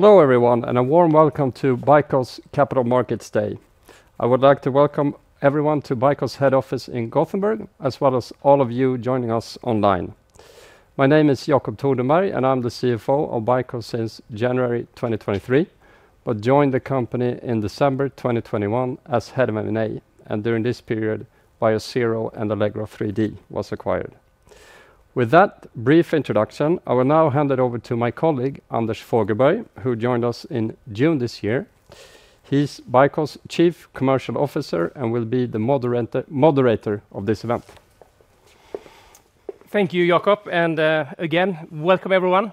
Hello, everyone, and a warm welcome to BICO's Capital Markets Day. I would like to welcome everyone to BICO's head office in Gothenburg, as well as all of you joining us online. My name is Jacob Thordenberg, and I'm the CFO of BICO since January 2023, but joined the company in December 2021 as head of M&A, and during this period, Biosero and Allegro 3D was acquired. With that brief introduction, I will now hand it over to my colleague, Anders Fogelberg, who joined us in June this year. He's BICO's Chief Commercial Officer and will be the moderator of this event. Thank you, Jacob, and again, welcome everyone.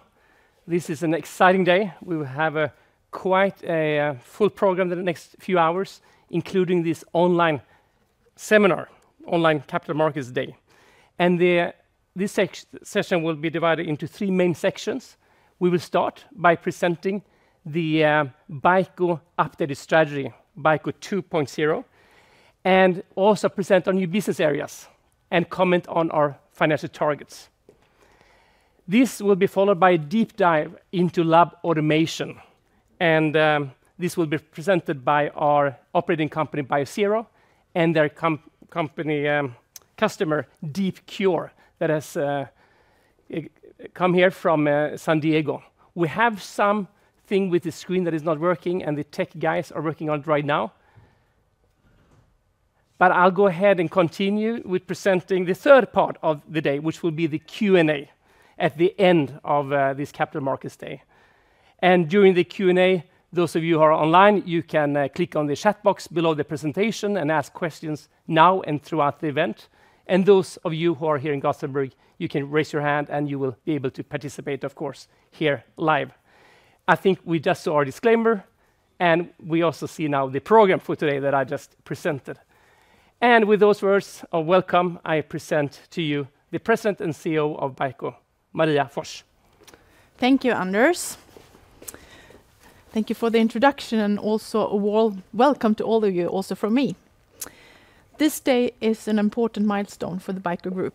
This is an exciting day. We will have quite a full program in the next few hours, including this online seminar, online Capital Markets Day, and this session will be divided into three main sections. We will start by presenting the BICO updated strategy, BICO 2.0, and also present our new business areas and comment on our financial targets. This will be followed by a deep dive into lab automation, and this will be presented by our operating company, Biosero, and their company customer, DeepCure, that has come here from San Diego. We have something with the screen that is not working, and the tech guys are working on it right now. I'll go ahead and continue with presenting the third part of the day, which will be the Q&A at the end of this Capital Markets Day. During the Q&A, those of you who are online, you can click on the chat box below the presentation and ask questions now and throughout the event. Those of you who are here in Gothenburg, you can raise your hand, and you will be able to participate, of course, here live. I think we just saw a disclaimer, and we also see now the program for today that I just presented. With those words of welcome, I present to you the President and CEO of BICO, Maria Forss. Thank you, Anders. Thank you for the introduction, and also a warm welcome to all of you, also from me. This day is an important milestone for the BICO Group,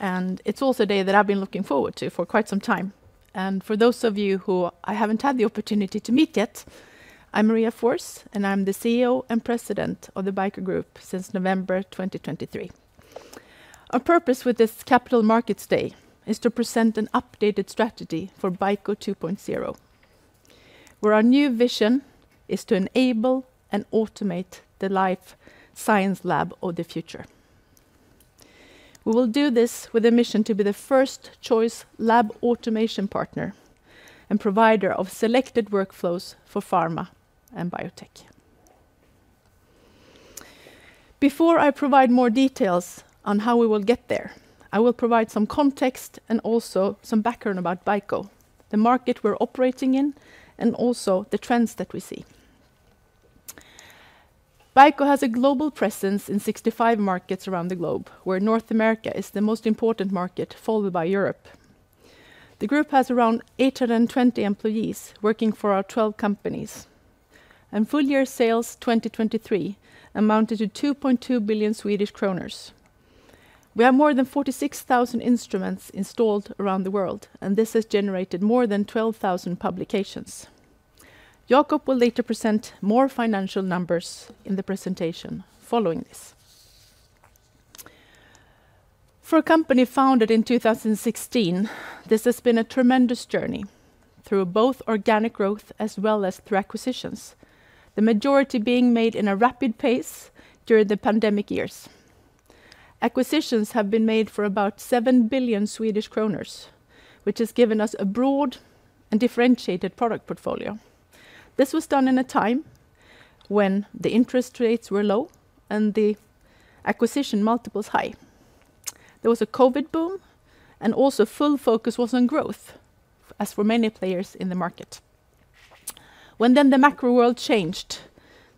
and it's also a day that I've been looking forward to for quite some time. For those of you who I haven't had the opportunity to meet yet, I'm Maria Forss, and I'm the CEO and President of the BICO Group since November 2023. Our purpose with this Capital Markets Day is to present an updated strategy for BICO 2.0, where our new vision is to enable and automate the life science lab of the future. We will do this with a mission to be the first-choice lab automation partner and provider of selected workflows for pharma and biotech. Before I provide more details on how we will get there, I will provide some context and also some background about BICO, the market we're operating in, and also the trends that we see. BICO has a global presence in 65 markets around the globe, where North America is the most important market, followed by Europe. The group has around 820 employees working for our 12 companies, and full-year sales 2023 amounted to 2.2 billion Swedish kronor. We have more than 46,000 instruments installed around the world, and this has generated more than 12,000 publications. Jacob will later present more financial numbers in the presentation following this. For a company founded in 2016, this has been a tremendous journey through both organic growth as well as through acquisitions, the majority being made in a rapid pace during the pandemic years. Acquisitions have been made for about 7 billion Swedish kronor, which has given us a broad and differentiated product portfolio. This was done in a time when the interest rates were low and the acquisition multiples high. There was a COVID boom, and also full focus was on growth, as for many players in the market. When then the macro world changed,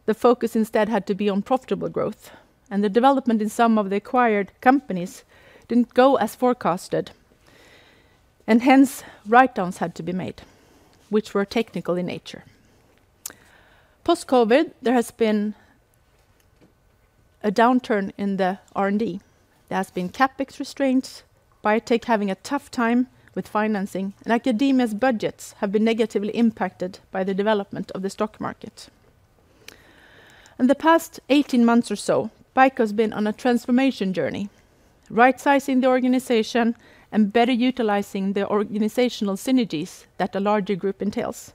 the focus instead had to be on profitable growth, and the development in some of the acquired companies didn't go as forecasted, and hence, write-downs had to be made, which were technical in nature. Post-COVID, there has been a downturn in the R&D. There has been CapEx restraints, biotech having a tough time with financing, and academia's budgets have been negatively impacted by the development of the stock market. In the past eighteen months or so, BICO has been on a transformation journey, right-sizing the organization and better utilizing the organizational synergies that a larger group entails.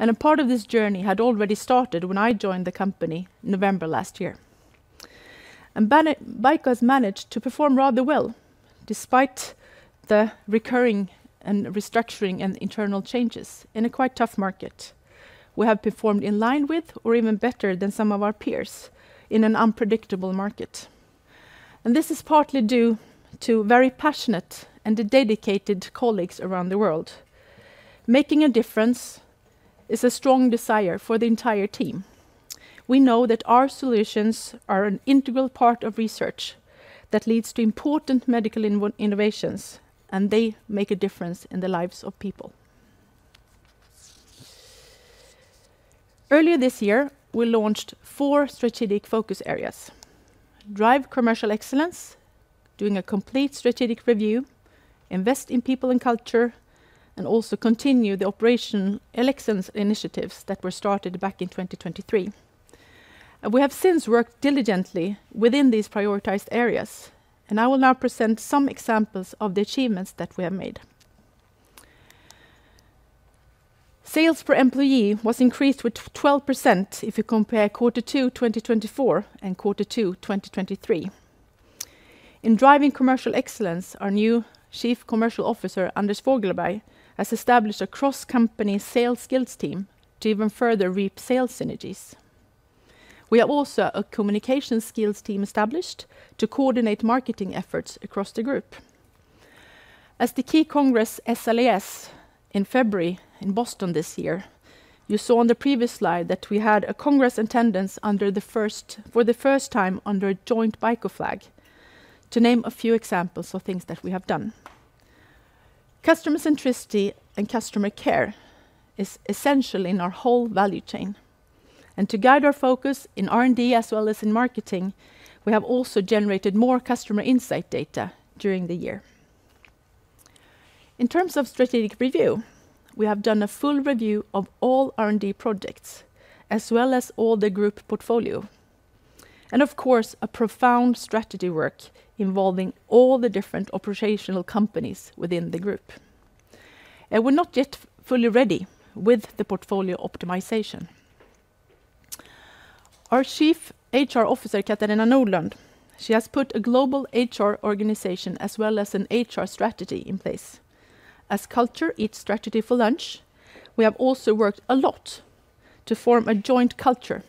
A part of this journey had already started when I joined the company November last year. BICO has managed to perform rather well, despite the recurring and restructuring and internal changes in a quite tough market. We have performed in line with or even better than some of our peers in an unpredictable market. This is partly due to very passionate and dedicated colleagues around the world. Making a difference is a strong desire for the entire team. We know that our solutions are an integral part of research that leads to important medical innovations, and they make a difference in the lives of people. Earlier this year, we launched four strategic focus areas: drive commercial excellence, doing a complete strategic review, invest in people and culture, and also continue the operational excellence initiatives that were started back in 2023. We have since worked diligently within these prioritized areas, and I will now present some examples of the achievements that we have made. Sales per employee was increased with 12% if you compare quarter two, 2024, and quarter two, 2023. In driving commercial excellence, our new Chief Commercial Officer, Anders Fogelberg, has established a cross-company sales skills team to even further reap sales synergies. We have also a communication skills team established to coordinate marketing efforts across the group. As the key congress SLAS in February in Boston this year, you saw on the previous slide that we had a congress attendance for the first time under a joint BICO flag, to name a few examples of things that we have done. Customer centricity and customer care is essential in our whole value chain. And to guide our focus in R&D as well as in marketing, we have also generated more customer insight data during the year. In terms of strategic review, we have done a full review of all R&D projects, as well as all the group portfolio, and of course, a profound strategy work involving all the different operational companies within the group. And we're not yet fully ready with the portfolio optimization. Our Chief HR Officer, Katarina Nordlund, she has put a global HR organization as well as an HR strategy in place. As culture eats strategy for lunch, we have also worked a lot to form a joint culture,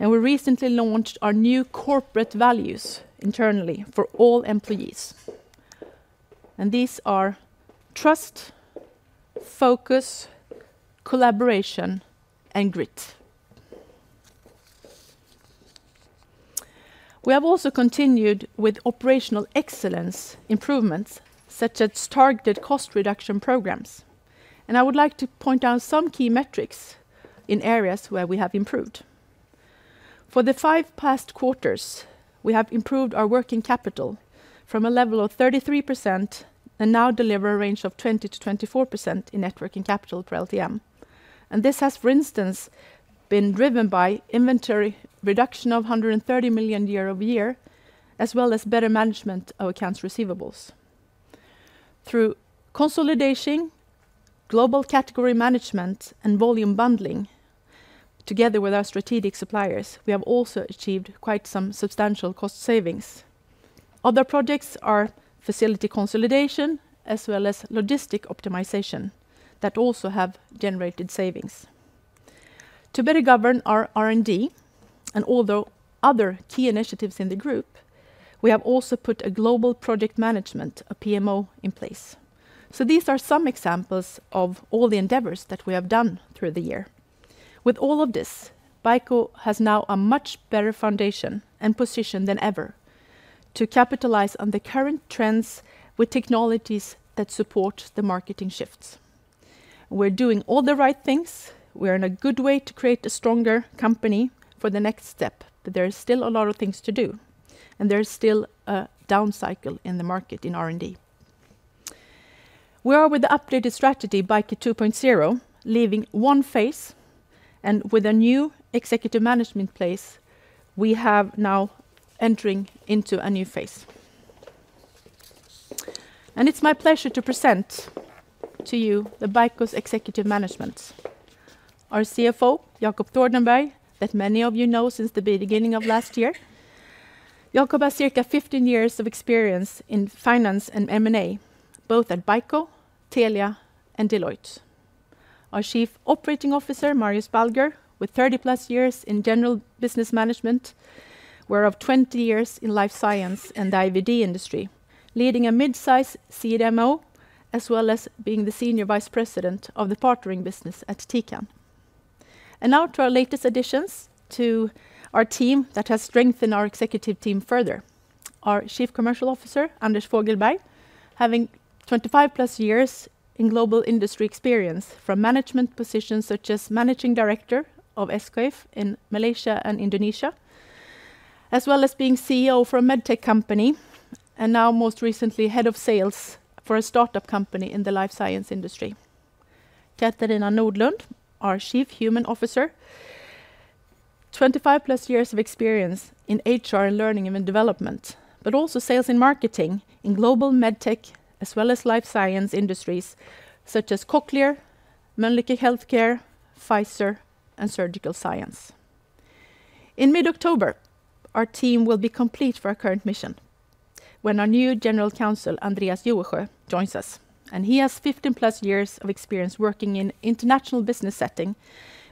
and we recently launched our new corporate values internally for all employees, and these are trust, focus, collaboration, and grit. We have also continued with operational excellence improvements, such as targeted cost reduction programs, and I would like to point out some key metrics in areas where we have improved. For the five past quarters, we have improved our working capital from a level of 33% and now deliver a range of 20%-24% in net working capital for LTM, and this has, for instance, been driven by inventory reduction of 130 million year over year, as well as better management of accounts receivables. Through consolidation, global category management, and volume bundling, together with our strategic suppliers, we have also achieved quite some substantial cost savings. Other projects are facility consolidation, as well as logistics optimization that also have generated savings. To better govern our R&D and all the other key initiatives in the group, we have also put a global project management, a PMO, in place. So these are some examples of all the endeavors that we have done through the year. With all of this, BICO has now a much better foundation and position than ever to capitalize on the current trends with technologies that support the market shifts. We're doing all the right things. We are in a good way to create a stronger company for the next step, but there is still a lot of things to do, and there is still a down cycle in the market in R&D. We are with the updated strategy, BICO 2.0, leaving one phase, and with a new executive management in place, we have now entering into a new phase. It's my pleasure to present to you BICO's executive management. Our CFO, Jacob Thordenberg, that many of you know since the beginning of last year. Jacob has circa 15 years of experience in finance and M&A, both at BICO, Telia, and Deloitte. Our Chief Operating Officer, Marius Balger, with thirty-plus years in general business management, whereof 20 years in life science and the IVD industry, leading a mid-size CDMO, as well as being the Senior Vice President of the partnering business at Tecan. Now to our latest additions to our team that has strengthened our executive team further. Our Chief Commercial Officer, Anders Fogelberg, having 25+ years in global industry experience from management positions such as Managing Director of SKF in Malaysia and Indonesia, as well as being CEO for a medtech company, and now most recently, Head of Sales for a start-up company in the life science industry. Katarina Nordlund, our Chief Human Resources Officer, 25+ years of experience in HR and learning and development, but also sales and marketing in global medtech as well as life science industries such as Cochlear, Mölnlycke Health Care, Pfizer, and Surgical Science. In mid-October, our team will be complete for our current mission when our new General Counsel, Andreas Juresjö, joins us, and he has 15 plus years of experience working in international business setting,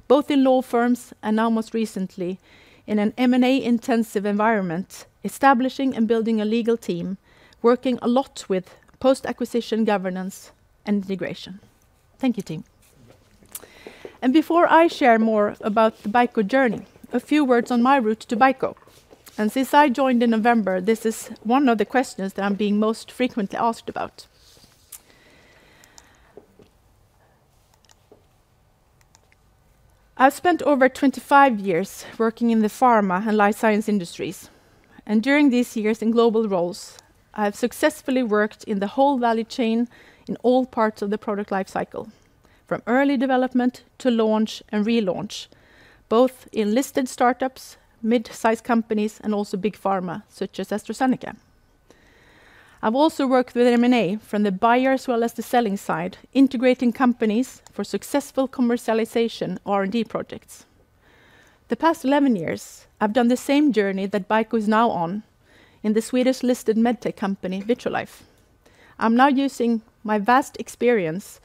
both in law firms and now most recently, in an M&A-intensive environment, establishing and building a legal team, working a lot with post-acquisition, governance, and integration. Thank you, team. And before I share more about the BICO journey, a few words on my route to BICO. And since I joined in November, this is one of the questions that I'm being most frequently asked about. I've spent over 25 years working in the pharma and life science industries, and during these years in global roles, I have successfully worked in the whole value chain in all parts of the product life cycle, from early development to launch and relaunch, both in listed startups, mid-sized companies, and also big pharma, such as AstraZeneca. I've also worked with M&A from the buyer as well as the selling side, integrating companies for successful commercialization or R&D projects. The past 11 years, I've done the same journey that BICO is now on in the Swedish-listed med tech company, Vitrolife. I'm now using my vast experience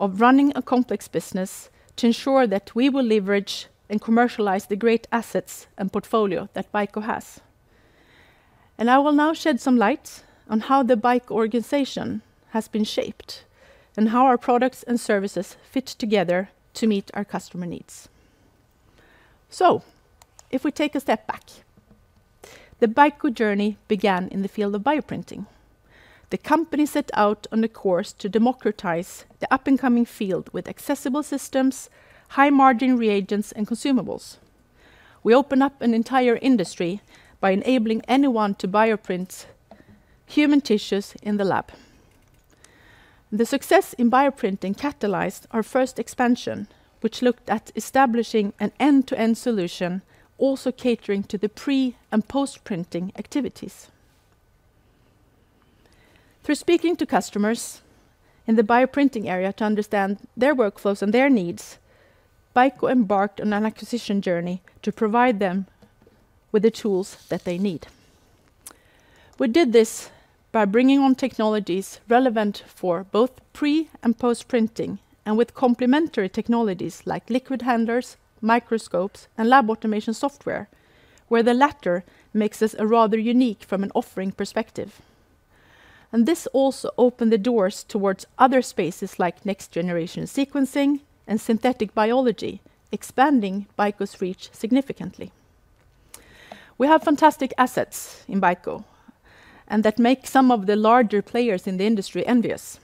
of running a complex business to ensure that we will leverage and commercialize the great assets and portfolio that BICO has. I will now shed some light on how the BICO organization has been shaped and how our products and services fit together to meet our customer needs. If we take a step back, the BICO journey began in the field of Bioprinting. The company set out on a course to democratize the up-and-coming field with accessible systems, high-margin reagents, and consumables. We open up an entire industry by enabling anyone to bioprint human tissues in the lab. The success in Bioprinting catalyzed our first expansion, which looked at establishing an end-to-end solution, also catering to the pre- and post-printing activities. Through speaking to customers in the Bioprinting area to understand their workflows and their needs, BICO embarked on an acquisition journey to provide them with the tools that they need. We did this by bringing on technologies relevant for both pre- and post-printing, and with complementary technologies like liquid handlers, microscopes, and lab automation software, where the latter makes us a rather unique from an offering perspective. And this also opened the doors towards other spaces like next-generation sequencing and synthetic biology, expanding BICO's reach significantly. We have fantastic assets in BICO, and that make some of the larger players in the industry envious,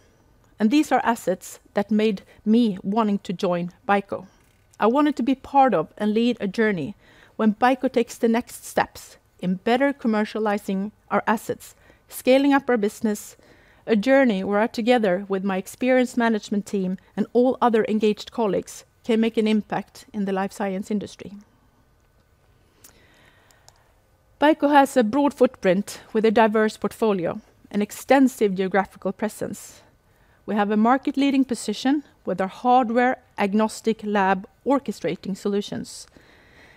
and these are assets that made me wanting to join BICO. I wanted to be part of and lead a journey when BICO takes the next steps in better commercializing our assets, scaling up our business, a journey where I, together with my experienced management team and all other engaged colleagues, can make an impact in the life science industry. BICO has a broad footprint with a diverse portfolio and extensive geographical presence. We have a market-leading position with our hardware-agnostic lab orchestrating solutions,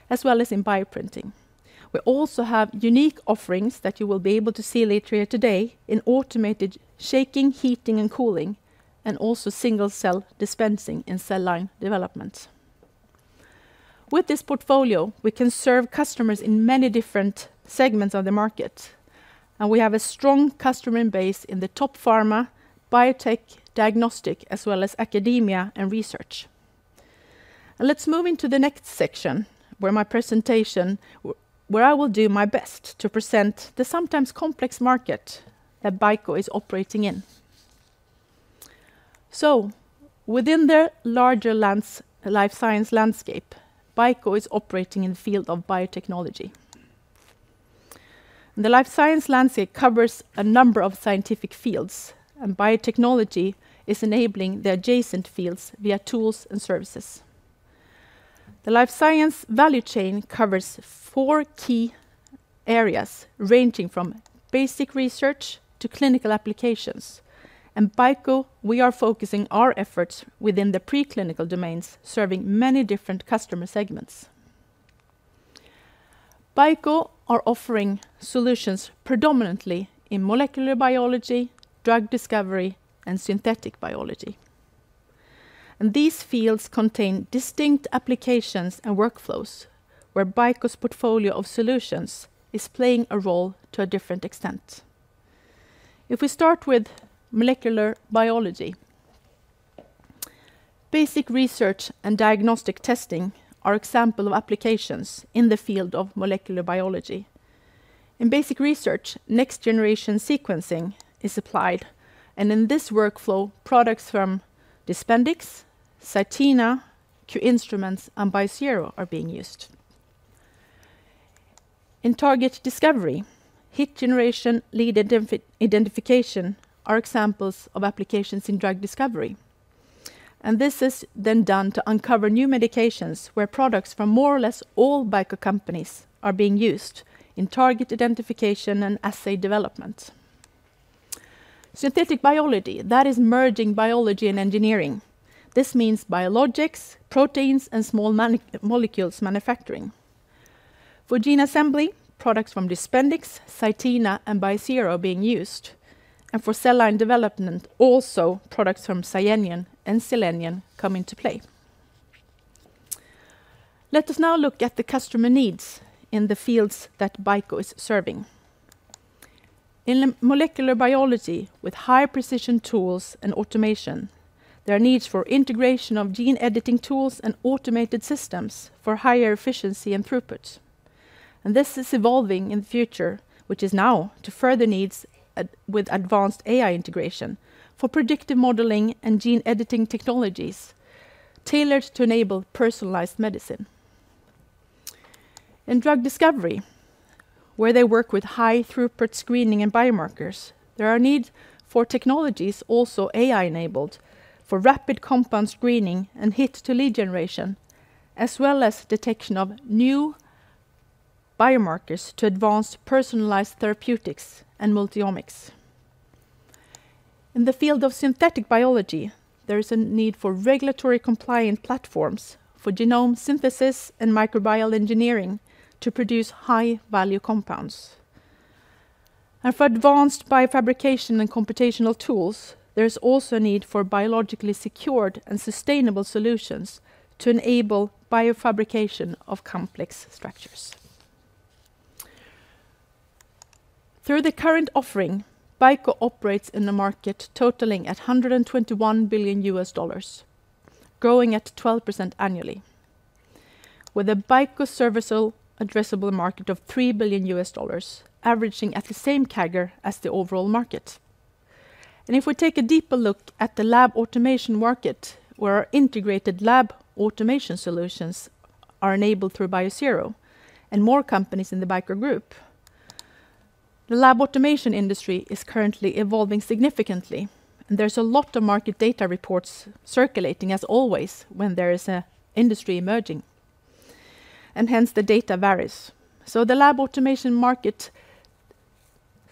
as well as in Bioprinting. We also have unique offerings that you will be able to see later here today in automated shaking, heating, and cooling, and also single cell dispensing in cell line development. With this portfolio, we can serve customers in many different segments of the market, and we have a strong customer base in the top pharma, biotech, diagnostic, as well as academia and research, and let's move into the next section, where my presentation, where I will do my best to present the sometimes complex market that BICO is operating in. So within the larger life science landscape, BICO is operating in the field of biotechnology. The life science landscape covers a number of scientific fields, and biotechnology is enabling the adjacent fields via tools and services. The life science value chain covers four key areas, ranging from basic research to clinical applications. In BICO, we are focusing our efforts within the preclinical domains, serving many different customer segments. BICO are offering solutions predominantly in molecular biology, drug discovery, and synthetic biology. These fields contain distinct applications and workflows, where BICO's portfolio of solutions is playing a role to a different extent. If we start with molecular biology, basic research and diagnostic testing are examples of applications in the field of molecular biology. In basic research, next generation sequencing is applied, and in this workflow, products from DISPENDIX, CYTENA, QInstruments, and Biosero are being used. In target discovery, hit generation, lead identification, are examples of applications in drug discovery. This is then done to uncover new medications where products from more or less all BICO companies are being used in target identification and assay development. Synthetic biology, that is merging biology and engineering. This means biologics, proteins, and small molecules manufacturing. For gene assembly, products from DISPENDIX, CYTENA, and Biosero are being used, and for cell line development, also products from CYTENA and Cellenion come into play. Let us now look at the customer needs in the fields that BICO is serving. In molecular biology, with high-precision tools and automation. There are needs for integration of gene editing tools and automated systems for higher efficiency and throughput. This is evolving in the future, which is now to further needs at, with advanced AI integration for predictive modeling and gene editing technologies tailored to enable personalized medicine. In drug discovery, where they work with high-throughput screening and biomarkers, there are need for technologies, also AI-enabled, for rapid compound screening and hit-to-lead generation, as well as detection of new biomarkers to advance personalized therapeutics and multi-omics. In the field of synthetic biology, there is a need for regulatory compliant platforms for genome synthesis and microbial engineering to produce high-value compounds, and for advanced biofabrication and computational tools, there's also a need for biologically secured and sustainable solutions to enable biofabrication of complex structures. Through the current offering, BICO operates in the market totaling $121 billion, growing at 12% annually, with a BICO serviceable addressable market of $3 billion, averaging at the same CAGR as the overall market. If we take a deeper look at the Lab Automation market, where our integrated Lab Automation solutions are enabled through Biosero and more companies in the BICO Group, the Lab Automation industry is currently evolving significantly, and there's a lot of market data reports circulating, as always, when there is an industry emerging, and hence the data varies. The Lab Automation market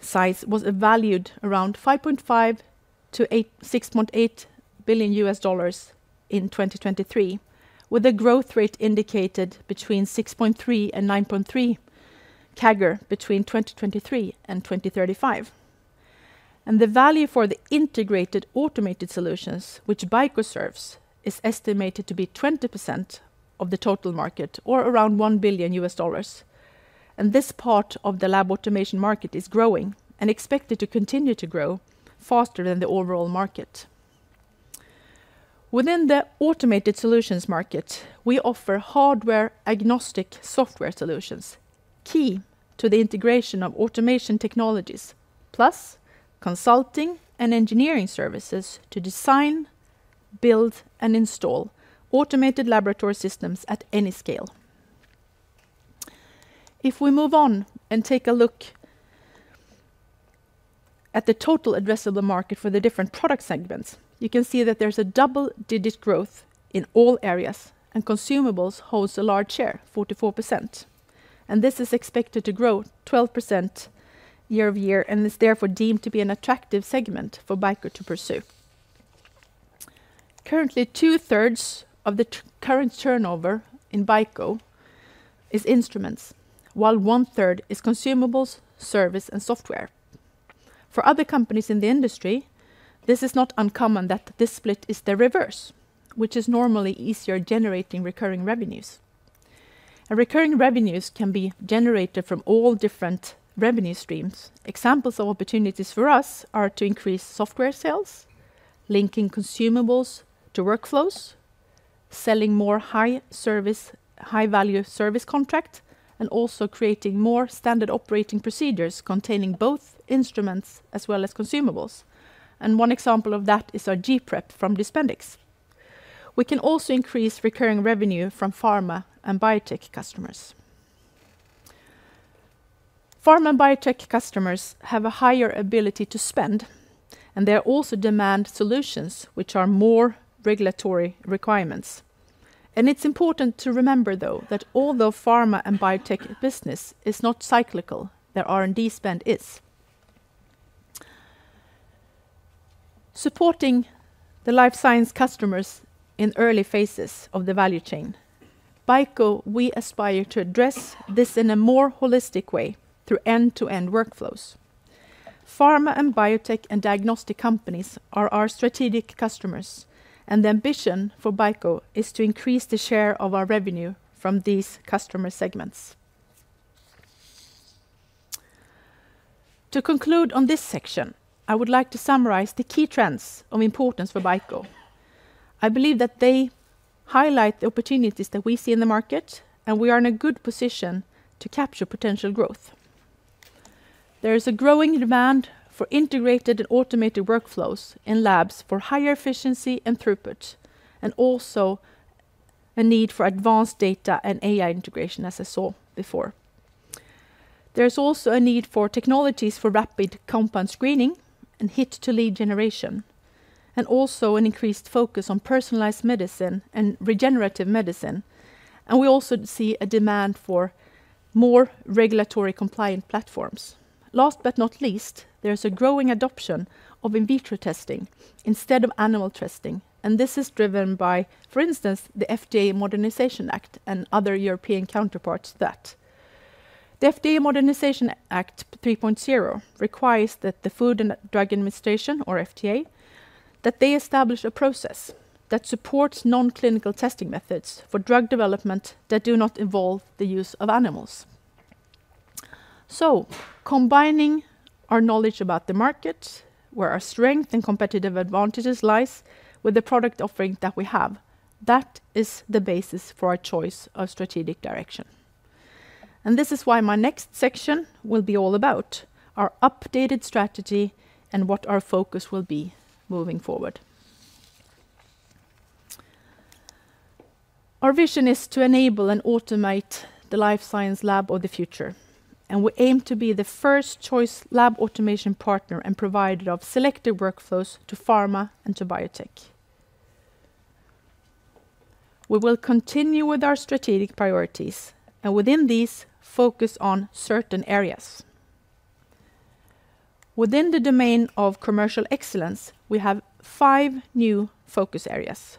size was valued around $5.5-$8.6 billion in 2023, with a growth rate indicated between 6.3 and 9.3 CAGR between 2023 and 2035. The value for the integrated automated solutions, which BICO serves, is estimated to be 20% of the total market or around $1 billion, and this part of the lab automation market is growing and expected to continue to grow faster than the overall market. Within the automated solutions market, we offer hardware-agnostic software solutions, key to the integration of automation technologies, plus consulting and engineering services to design, build, and install automated laboratory systems at any scale. If we move on and take a look at the total addressable market for the different product segments, you can see that there's a double-digit growth in all areas, and consumables holds a large share, 44%, and this is expected to grow 12% year over year, and is therefore deemed to be an attractive segment for BICO to pursue. Currently, 2/3 of the current turnover in BICO is instruments, while 1/3 is consumables, service, and software. For other companies in the industry, this is not uncommon that this split is the reverse, which is normally easier generating recurring revenues, and recurring revenues can be generated from all different revenue streams. Examples of opportunities for us are to increase software sales, linking consumables to workflows, selling more high service, high-value service contract, and also creating more standard operating procedures containing both instruments as well as consumables. And one example of that is our G.PREP from DISPENDIX. We can also increase recurring revenue from pharma and biotech customers. Pharma and biotech customers have a higher ability to spend, and they also demand solutions which are more regulatory requirements. And it's important to remember, though, that although pharma and biotech business is not cyclical, their R&D spend is. Supporting the life science customers in early phases of the value chain, BICO, we aspire to address this in a more holistic way through end-to-end workflows. Pharma and biotech and diagnostic companies are our strategic customers, and the ambition for BICO is to increase the share of our revenue from these customer segments. To conclude on this section, I would like to summarize the key trends of importance for BICO. I believe that they highlight the opportunities that we see in the market, and we are in a good position to capture potential growth. There is a growing demand for integrated and automated workflows in labs for higher efficiency and throughput, and also a need for advanced data and AI integration, as I saw before. There's also a need for technologies for rapid compound screening and hit-to-lead generation, and also an increased focus on personalized medicine and regenerative medicine. We also see a demand for more regulatory compliant platforms. Last but not least, there's a growing adoption of in vitro testing instead of animal testing, and this is driven by, for instance, the FDA Modernization Act and other European counterparts that. The FDA Modernization Act 3.0 requires that the Food and Drug Administration, or FDA, that they establish a process that supports non-clinical testing methods for drug development that do not involve the use of animals. So combining our knowledge about the market, where our strength and competitive advantages lies, with the product offering that we have, that is the basis for our choice of strategic direction. And this is why my next section will be all about our updated strategy and what our focus will be moving forward. Our vision is to enable and automate the life science lab of the future, and we aim to be the first choice lab automation partner and provider of selective workflows to pharma and to biotech. We will continue with our strategic priorities, and within these, focus on certain areas. Within the domain of commercial excellence, we have five new focus areas.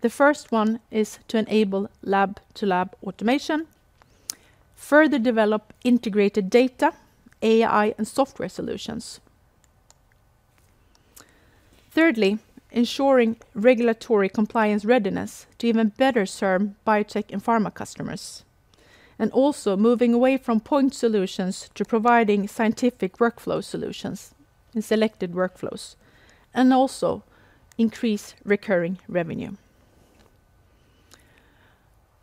The first one is to enable lab-to-lab automation , further develop integrated data, AI, and software solutions. Thirdly, ensuring regulatory compliance readiness to even better serve biotech and pharma customers, and also moving away from point solutions to providing scientific workflow solutions in selected workflows, and also increase recurring revenue.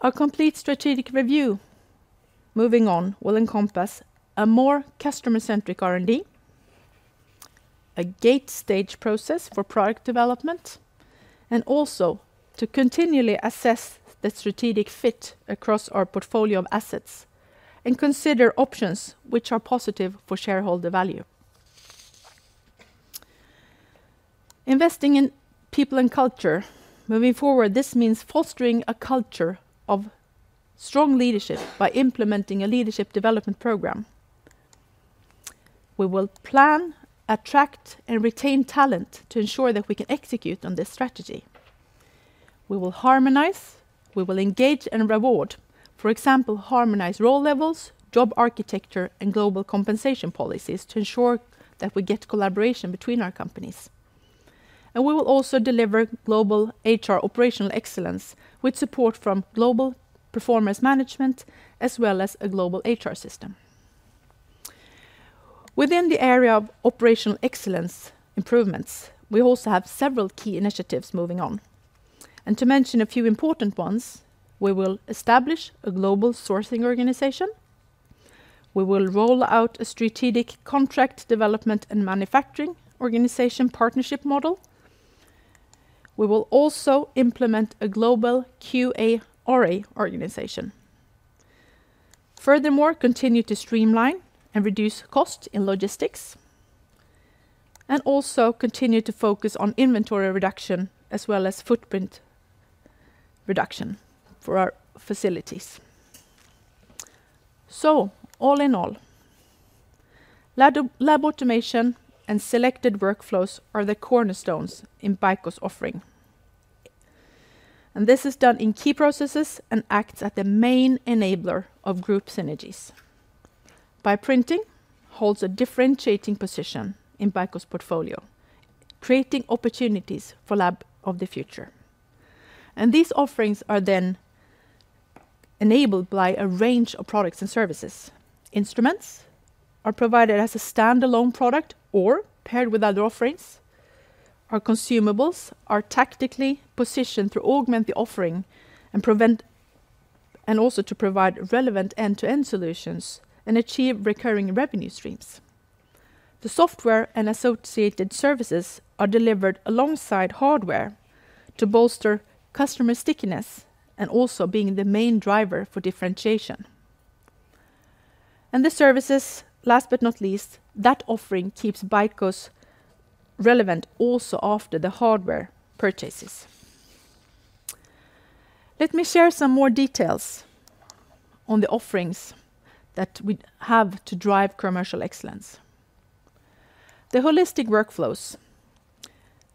Our complete strategic review, moving on, will encompass a more customer-centric R&D, a gate stage process for product development, and also to continually assess the strategic fit across our portfolio of assets, and consider options which are positive for shareholder value. Investing in people and culture. Moving forward, this means fostering a culture of strong leadership by implementing a leadership development program. We will plan, attract, and retain talent to ensure that we can execute on this strategy. We will harmonize, we will engage and reward, for example, harmonize role levels, job architecture, and global compensation policies to ensure that we get collaboration between our companies. And we will also deliver global HR operational excellence with support from global performance management, as well as a global HR system. Within the area of operational excellence improvements, we also have several key initiatives moving on. And to mention a few important ones, we will establish a global sourcing organization. We will roll out a strategic contract development and manufacturing organization partnership model. We will also implement a global QA/RA organization. Furthermore, continue to streamline and reduce costs in logistics, and also continue to focus on inventory reduction, as well as footprint reduction for our facilities. So all in all, lab automation and selected workflows are the cornerstones in BICO's offering. This is done in key processes and acts as the main enabler of group synergies. Bioprinting holds a differentiating position in BICO's portfolio, creating opportunities for lab of the future. These offerings are then enabled by a range of products and services. Instruments are provided as a standalone product or paired with other offerings. Our consumables are tactically positioned to augment the offering and prevent and also to provide relevant end-to-end solutions and achieve recurring revenue streams. The software and associated services are delivered alongside hardware to bolster customer stickiness and also being the main driver for differentiation. The services, last but not least, that offering keeps BICO relevant also after the hardware purchases. Let me share some more details on the offerings that we have to drive commercial excellence. The holistic workflows,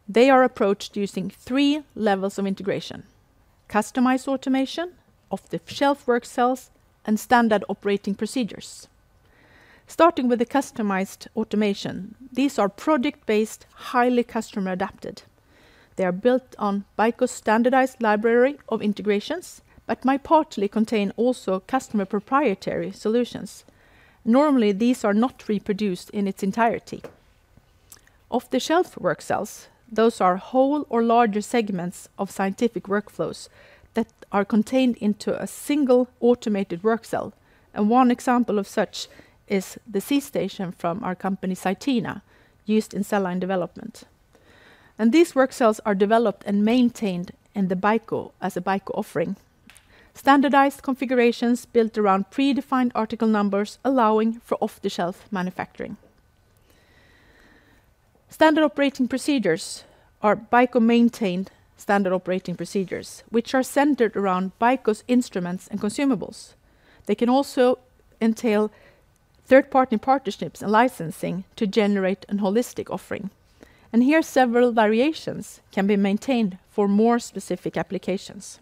they are approached using three levels of integration: customized automation, off-the-shelf work cells, and standard operating procedures. Starting with the customized automation, these are product-based, highly customer adapted. They are built on BICO's standardized library of integrations, but might partly contain also customer proprietary solutions. Normally, these are not reproduced in its entirety. Off-the-shelf work cells, those are whole or larger segments of scientific workflows that are contained into a single automated work cell, and one example of such is the C.STATION from our company, CYTENA, used in cell line development, and these work cells are developed and maintained in the BICO as a BICO offering: standardized configurations built around predefined article numbers, allowing for off-the-shelf manufacturing. Standard operating procedures are BICO-maintained standard operating procedures, which are centered around BICO's instruments and consumables. They can also entail third-party partnerships and licensing to generate a holistic offering. Here, several variations can be maintained for more specific applications.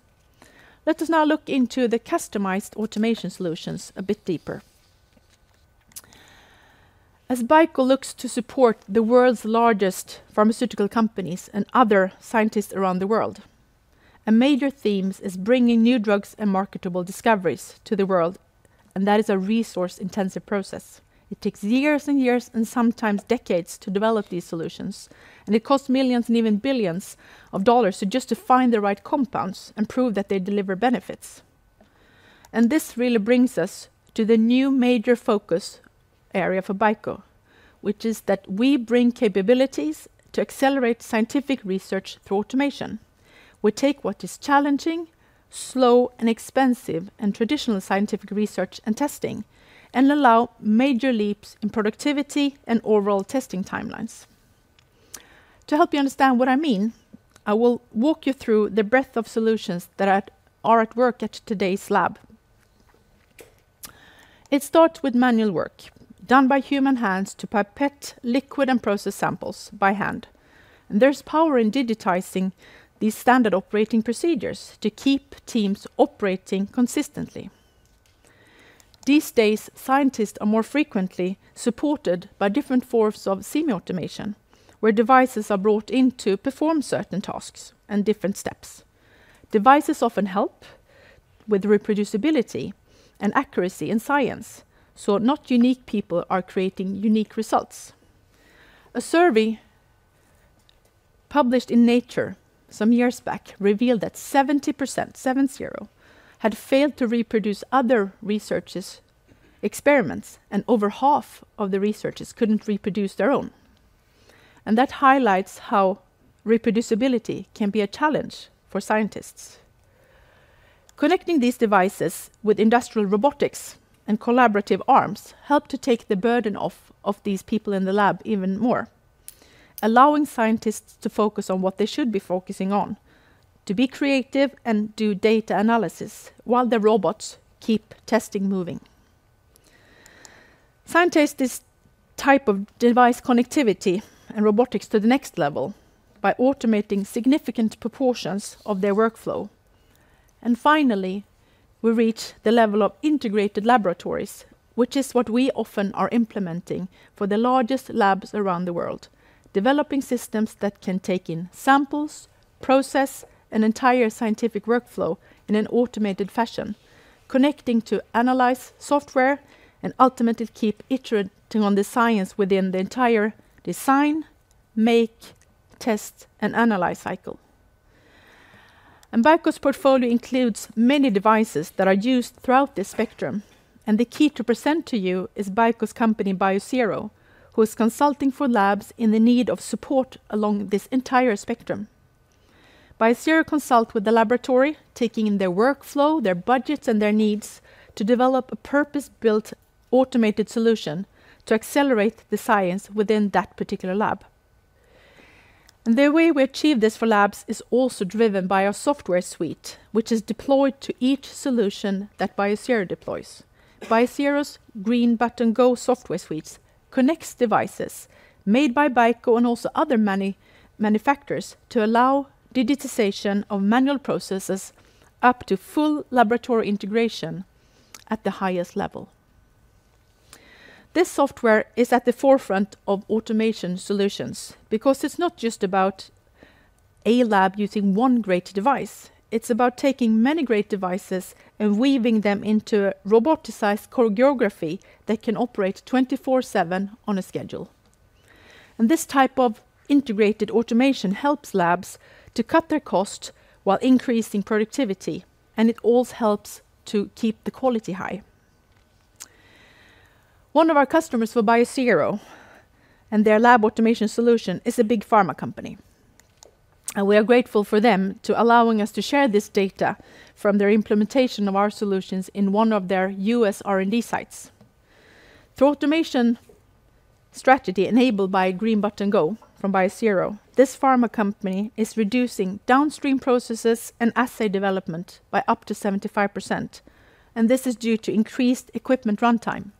Let us now look into the customized automation solutions a bit deeper. As BICO looks to support the world's largest pharmaceutical companies and other scientists around the world, a major theme is bringing new drugs and marketable discoveries to the world, and that is a resource-intensive process. It takes years and years, and sometimes decades, to develop these solutions, and it costs millions and even billions of dollars just to find the right compounds and prove that they deliver benefits. This really brings us to the new major focus area for BICO, which is that we bring capabilities to accelerate scientific research through automation. We take what is challenging, slow, and expensive in traditional scientific research and testing, and allow major leaps in productivity and overall testing timelines. To help you understand what I mean, I will walk you through the breadth of solutions that are at work at today's lab. It starts with manual work, done by human hands to pipette liquid and process samples by hand. There's power in digitizing these standard operating procedures to keep teams operating consistently. These days, scientists are more frequently supported by different forms of semi-automation, where devices are brought in to perform certain tasks and different steps. Devices often help with reproducibility and accuracy in science, so not unique people are creating unique results. A survey published in Nature some years back revealed that 70% had failed to reproduce other researchers' experiments, and over half of the researchers couldn't reproduce their own. That highlights how reproducibility can be a challenge for scientists. Connecting these devices with industrial robotics and collaborative arms help to take the burden off of these people in the lab even more, allowing scientists to focus on what they should be focusing on: to be creative and do data analysis while the robots keep testing moving. Scientists take this type of device connectivity and robotics to the next level by automating significant proportions of their workflow, and finally, we reach the level of integrated laboratories, which is what we often are implementing for the largest labs around the world, developing systems that can take in samples, process an entire scientific workflow in an automated fashion, connecting to analyze software, and ultimately keep iterating on the science within the entire design, make, test, and analyze cycle. BICO's portfolio includes many devices that are used throughout this spectrum, and the key to present to you is BICO's company, Biosero, who is consulting for labs in the need of support along this entire spectrum. Biosero consults with the laboratory, taking in their workflow, their budgets, and their needs to develop a purpose-built, automated solution to accelerate the science within that particular lab. The way we achieve this for labs is also driven by our software suite, which is deployed to each solution that Biosero deploys. Biosero's Green Button Go software suites connects devices made by BICO and also other manufacturers to allow digitization of manual processes up to full laboratory integration at the highest level. This software is at the forefront of automation solutions because it's not just about a lab using one great device. It's about taking many great devices and weaving them into a roboticized choreography that can operate twenty-four/seven on a schedule. This type of integrated automation helps labs to cut their cost while increasing productivity, and it also helps to keep the quality high. One of our customers for Biosero, and their Lab Automation solution, is a big pharma company, and we are grateful to them for allowing us to share this data from their implementation of our solutions in one of their US R&D sites. Through automation strategy enabled by Green Button Go from Biosero, this pharma company is reducing downstream processes and assay development by up to 75%, and this is due to increased equipment runtime.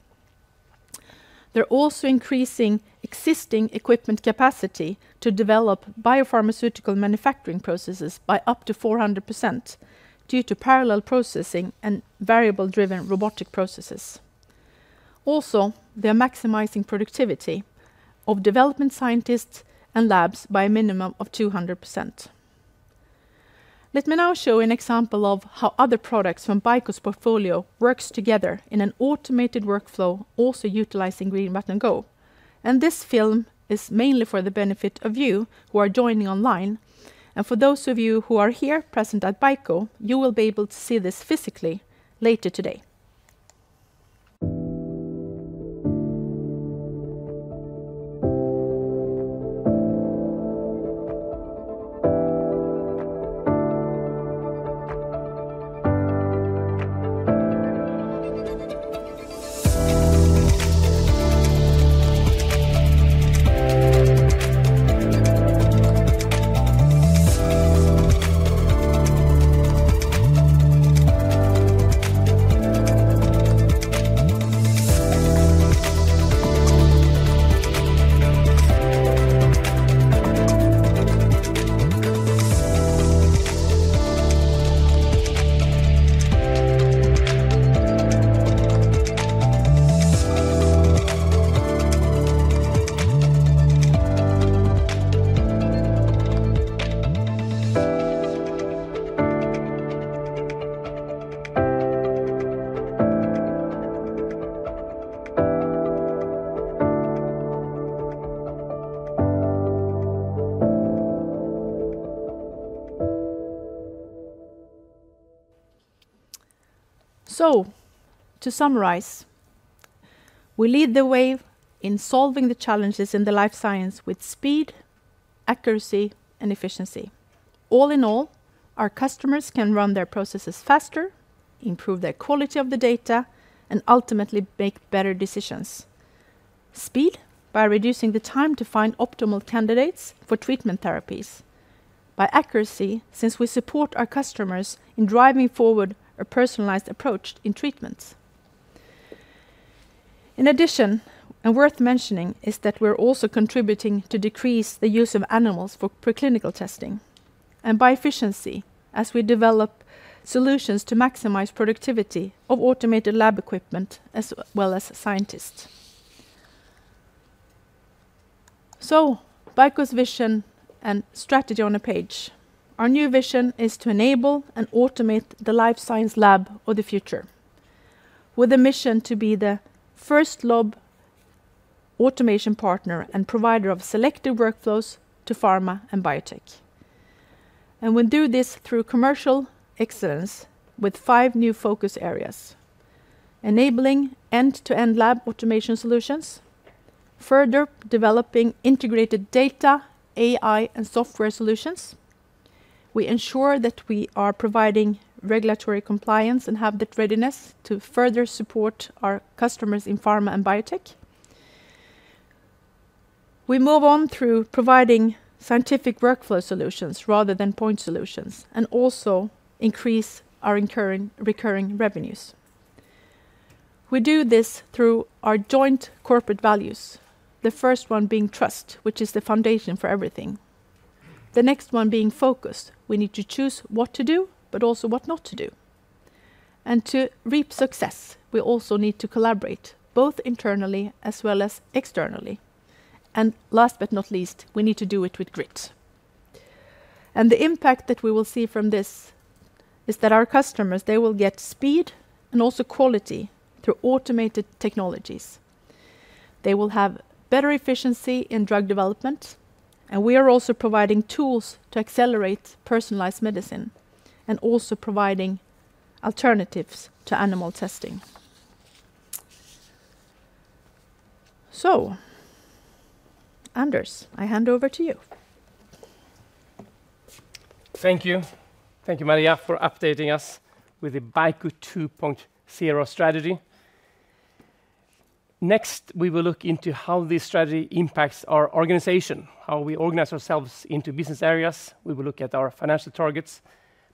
They're also increasing existing equipment capacity to develop biopharmaceutical manufacturing processes by up to 400% due to parallel processing and variable-driven robotic processes. Also, they're maximizing productivity of development scientists and labs by a minimum of 200%. Let me now show an example of how other products from BICO's portfolio works together in an automated workflow, also utilizing Green Button Go, and this film is mainly for the benefit of you who are joining online, and for those of you who are here present at BICO, you will be able to see this physically later today, so, to summarize, we lead the way in solving the challenges in the life science with speed, accuracy, and efficiency. All in all, our customers can run their processes faster, improve their quality of the data, and ultimately make better decisions. Speed, by reducing the time to find optimal candidates for treatment therapies. By accuracy, since we support our customers in driving forward a personalized approach in treatments. In addition, and worth mentioning, is that we're also contributing to decrease the use of animals for preclinical testing, and by efficiency, as we develop solutions to maximize productivity of automated lab equipment, as well as scientists. BICO's vision and strategy on a page. Our new vision is to enable and automate the life science lab of the future, with a mission to be the first Lab Automation partner and provider of selective workflows to pharma and biotech. We do this through commercial excellence with five new focus areas: enabling end-to-end Lab Automation solutions; further developing integrated data, AI, and software solutions; we ensure that we are providing regulatory compliance and have that readiness to further support our customers in pharma and biotech. We move on through providing scientific workflow solutions rather than point solutions, and also increase our recurring revenues. We do this through our joint corporate values, the first one being trust, which is the foundation for everything. The next one being focus. We need to choose what to do, but also what not to do, and to reap success, we also need to collaborate, both internally as well as externally, and last but not least, we need to do it with grit, and the impact that we will see from this is that our customers, they will get speed and also quality through automated technologies. They will have better efficiency in drug development, and we are also providing tools to accelerate personalized medicine, and also providing alternatives to animal testing, so Anders, I hand over to you. Thank you. Thank you, Maria, for updating us with the BICO 2.0 strategy. Next, we will look into how this strategy impacts our organization, how we organize ourselves into business areas. We will look at our financial targets,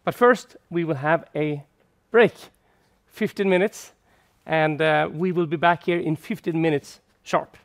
but first, we will have a break, 15 minutes, and we will be back here in 15 minutes sharp.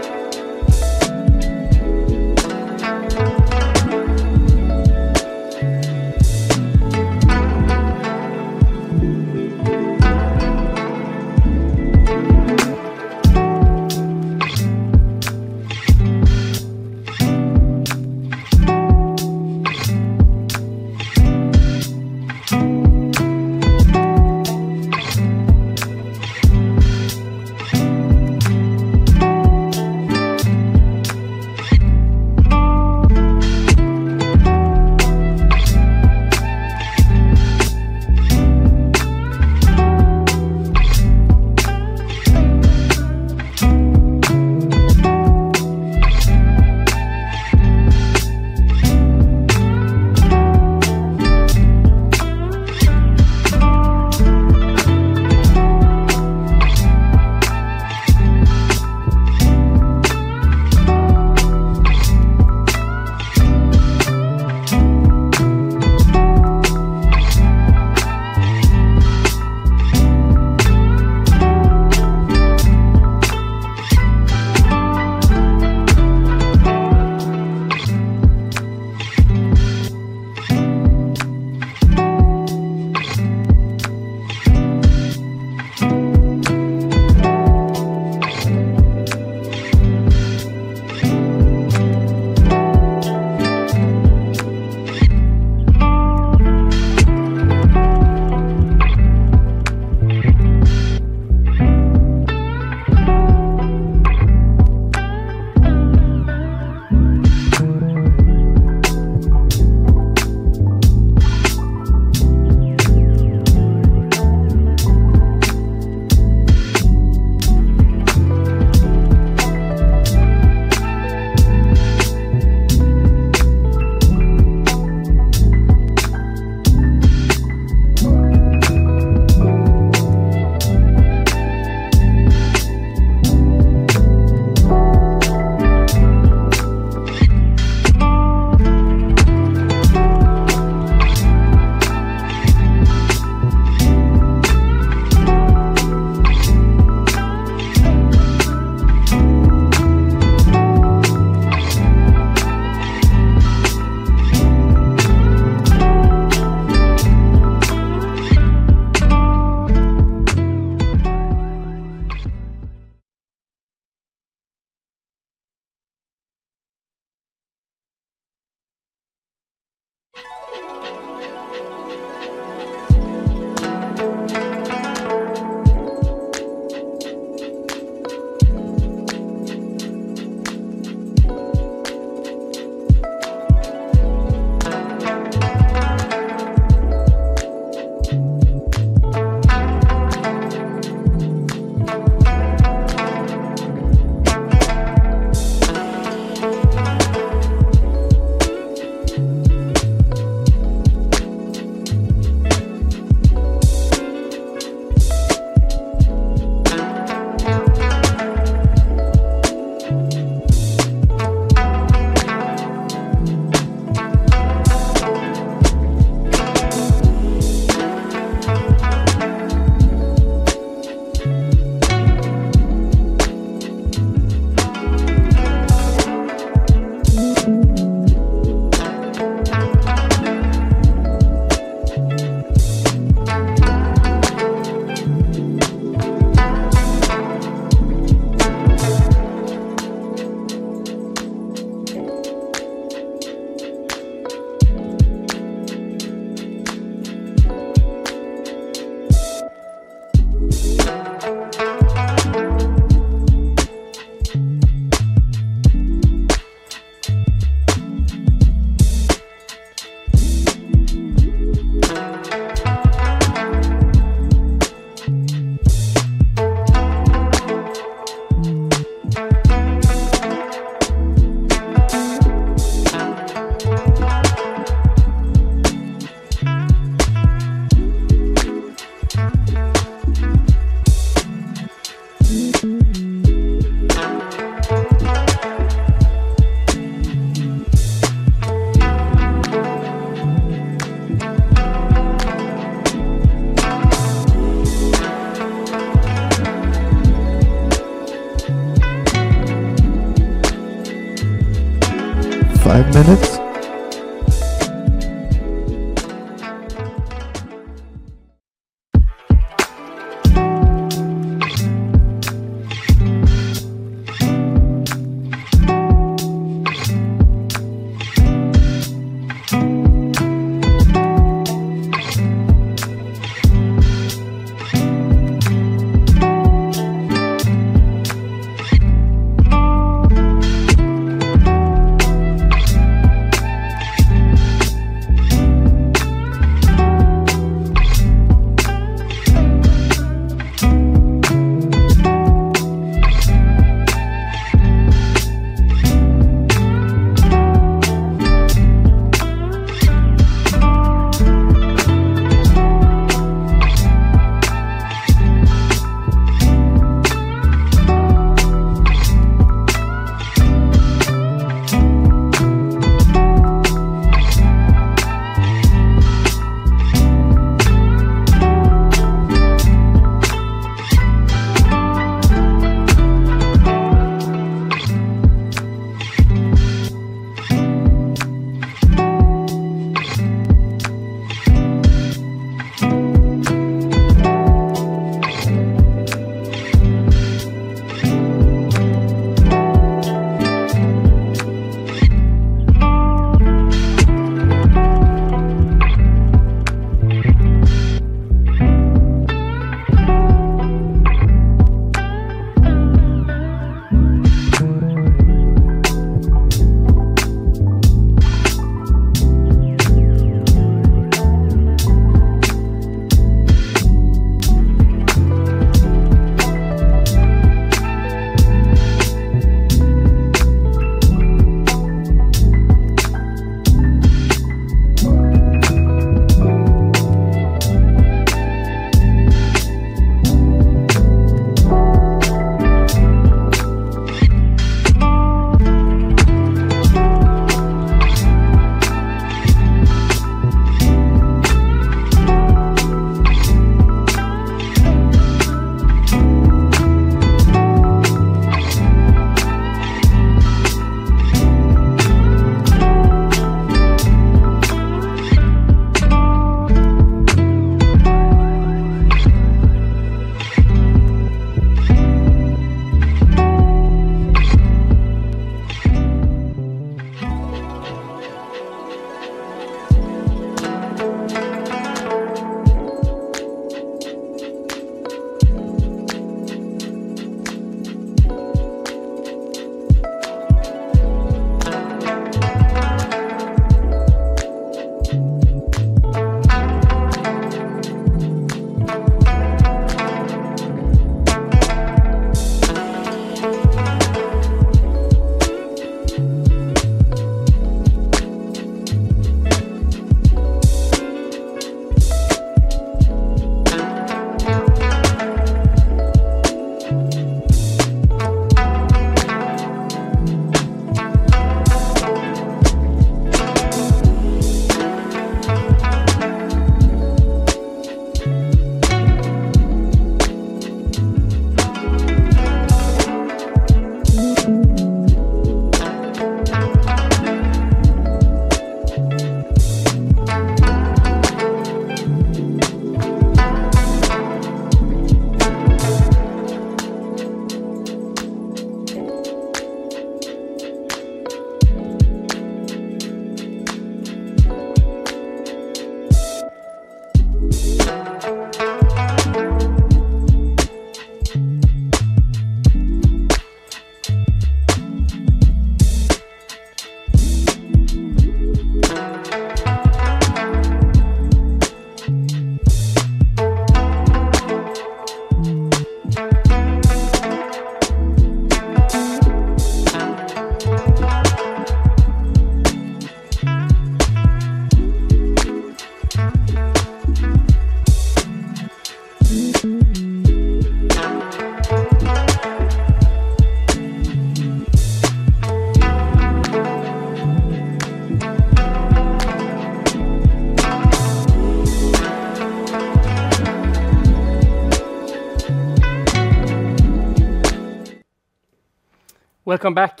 Five minutes? Welcome back.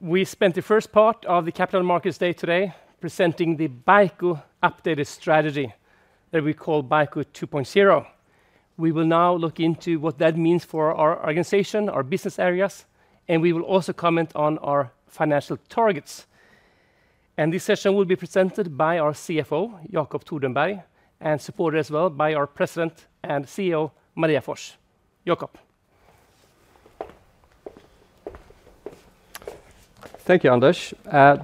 We spent the first part of the Capital Markets Day today presenting the BICO updated strategy that we call BICO 2.0. We will now look into what that means for our organization, our business areas, and we will also comment on our financial targets. And this session will be presented by our CFO, Jacob Thordenberg, and supported as well by our President and CEO, Maria Forss. Jacob. Thank you, Anders.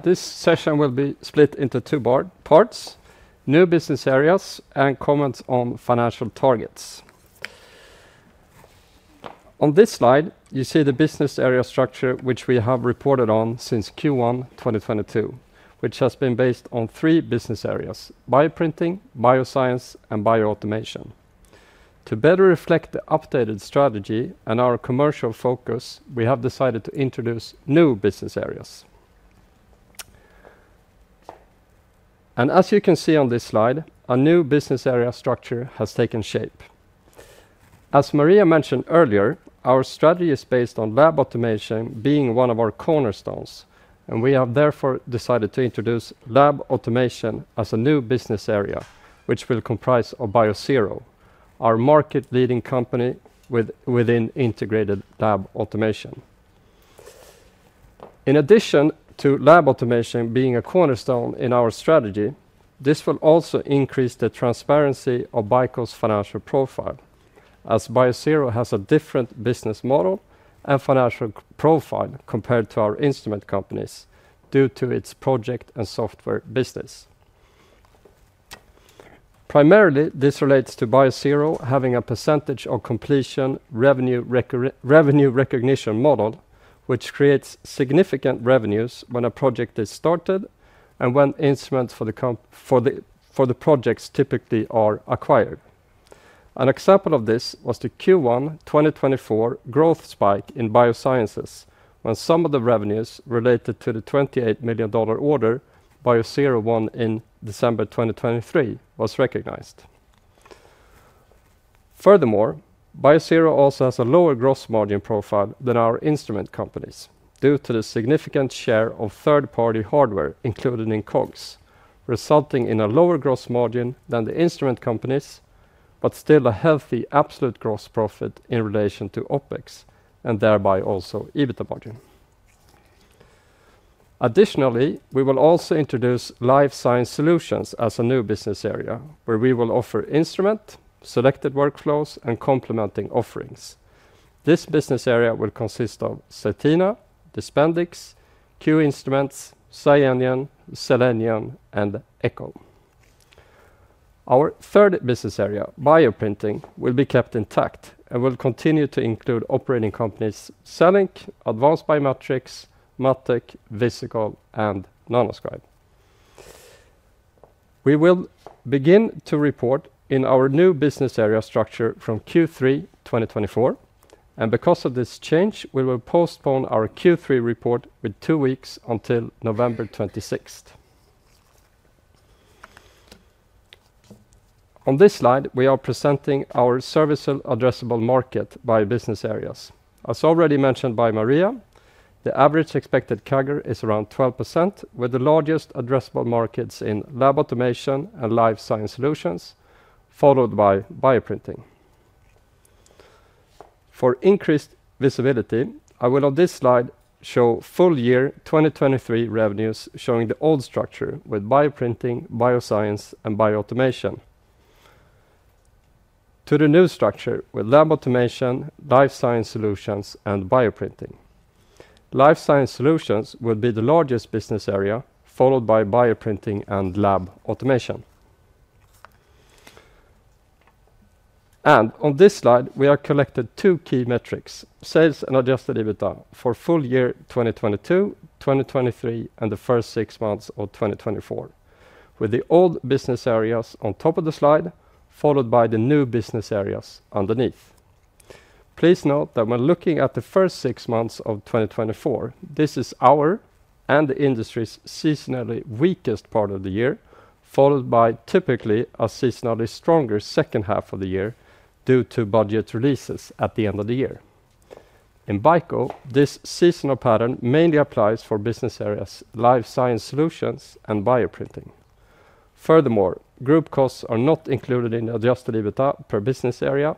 This session will be split into two parts: new business areas and comments on financial targets. On this slide, you see the business area structure, which we have reported on since Q1, 2022, which has been based on three business areas: Bioprinting, Biosciences, and Bioautomation. To better reflect the updated strategy and our commercial focus, we have decided to introduce new business areas. And as you can see on this slide, a new business area structure has taken shape. As Maria mentioned earlier, our strategy is based on lab automation being one of our cornerstones, and we have therefore decided to introduce Lab Automation as a new business area, which will comprise of Biosero, our market-leading company within integrated Lab Automation. In addition to Lab Automation being a cornerstone in our strategy, this will also increase the transparency of BICO's financial profile, as Biosero has a different business model and financial profile compared to our instrument companies due to its project and software business. Primarily, this relates to Biosero having a percentage of completion revenue recognition model, which creates significant revenues when a project is started and when instruments for the projects typically are acquired. An example of this was the Q1 2024 growth spike in Biosciences, when some of the revenues related to the $28 million order Biosero won in December 2023 was recognized. Furthermore, Biosero also has a lower gross margin profile than our instrument companies due to the significant share of third-party hardware included in COGS, resulting in a lower gross margin than the instrument companies, but still a healthy absolute gross profit in relation to OpEx, and thereby also EBITDA margin. Additionally, we will also introduce Life Science Solutions as a new business area, where we will offer instrument, selected workflows, and complementing offerings. This business area will consist of CYTENA, DISPENDIX, QInstruments, Scienion, Cellenion, and Echo Laboratories. Our third business area, Bioprinting, will be kept intact and will continue to include operating companies CELLINK, Advanced BioMatrix, MatTek, Visikol, and Nanoscribe. We will begin to report in our new business area structure from Q3, 2024, and because of this change, we will postpone our Q3 report with two weeks until November twenty-sixth. On this slide, we are presenting our serviceable addressable market by business areas. As already mentioned by Maria, the average expected CAGR is around 12%, with the largest addressable markets in Lab Automation and Life Science Solutions, followed by B ioprinting. For increased visibility, I will on this slide show full year 2023 revenues, showing the old structure with Bioprinting, Biosciences, and Bioautomation to the new structure with Lab Automation, Life Science Solutions, and Bioprinting. Life Science Solutions will be the largest business area, followed by Bioprinting and Lab Automation, and on this slide, we have collected two key metrics: sales and adjusted EBITDA for full year 2022, 2023, and the first six months of 2024, with the old business areas on top of the slide, followed by the new business areas underneath. Please note that when looking at the first six months of 2024, this is our and the industry's seasonally weakest part of the year, followed by typically a seasonally stronger second half of the year due to budget releases at the end of the year. In BICO, this seasonal pattern mainly applies for business areas, Life Science Solutions, and Bioprinting. Furthermore, group costs are not included in adjusted EBITDA per business area,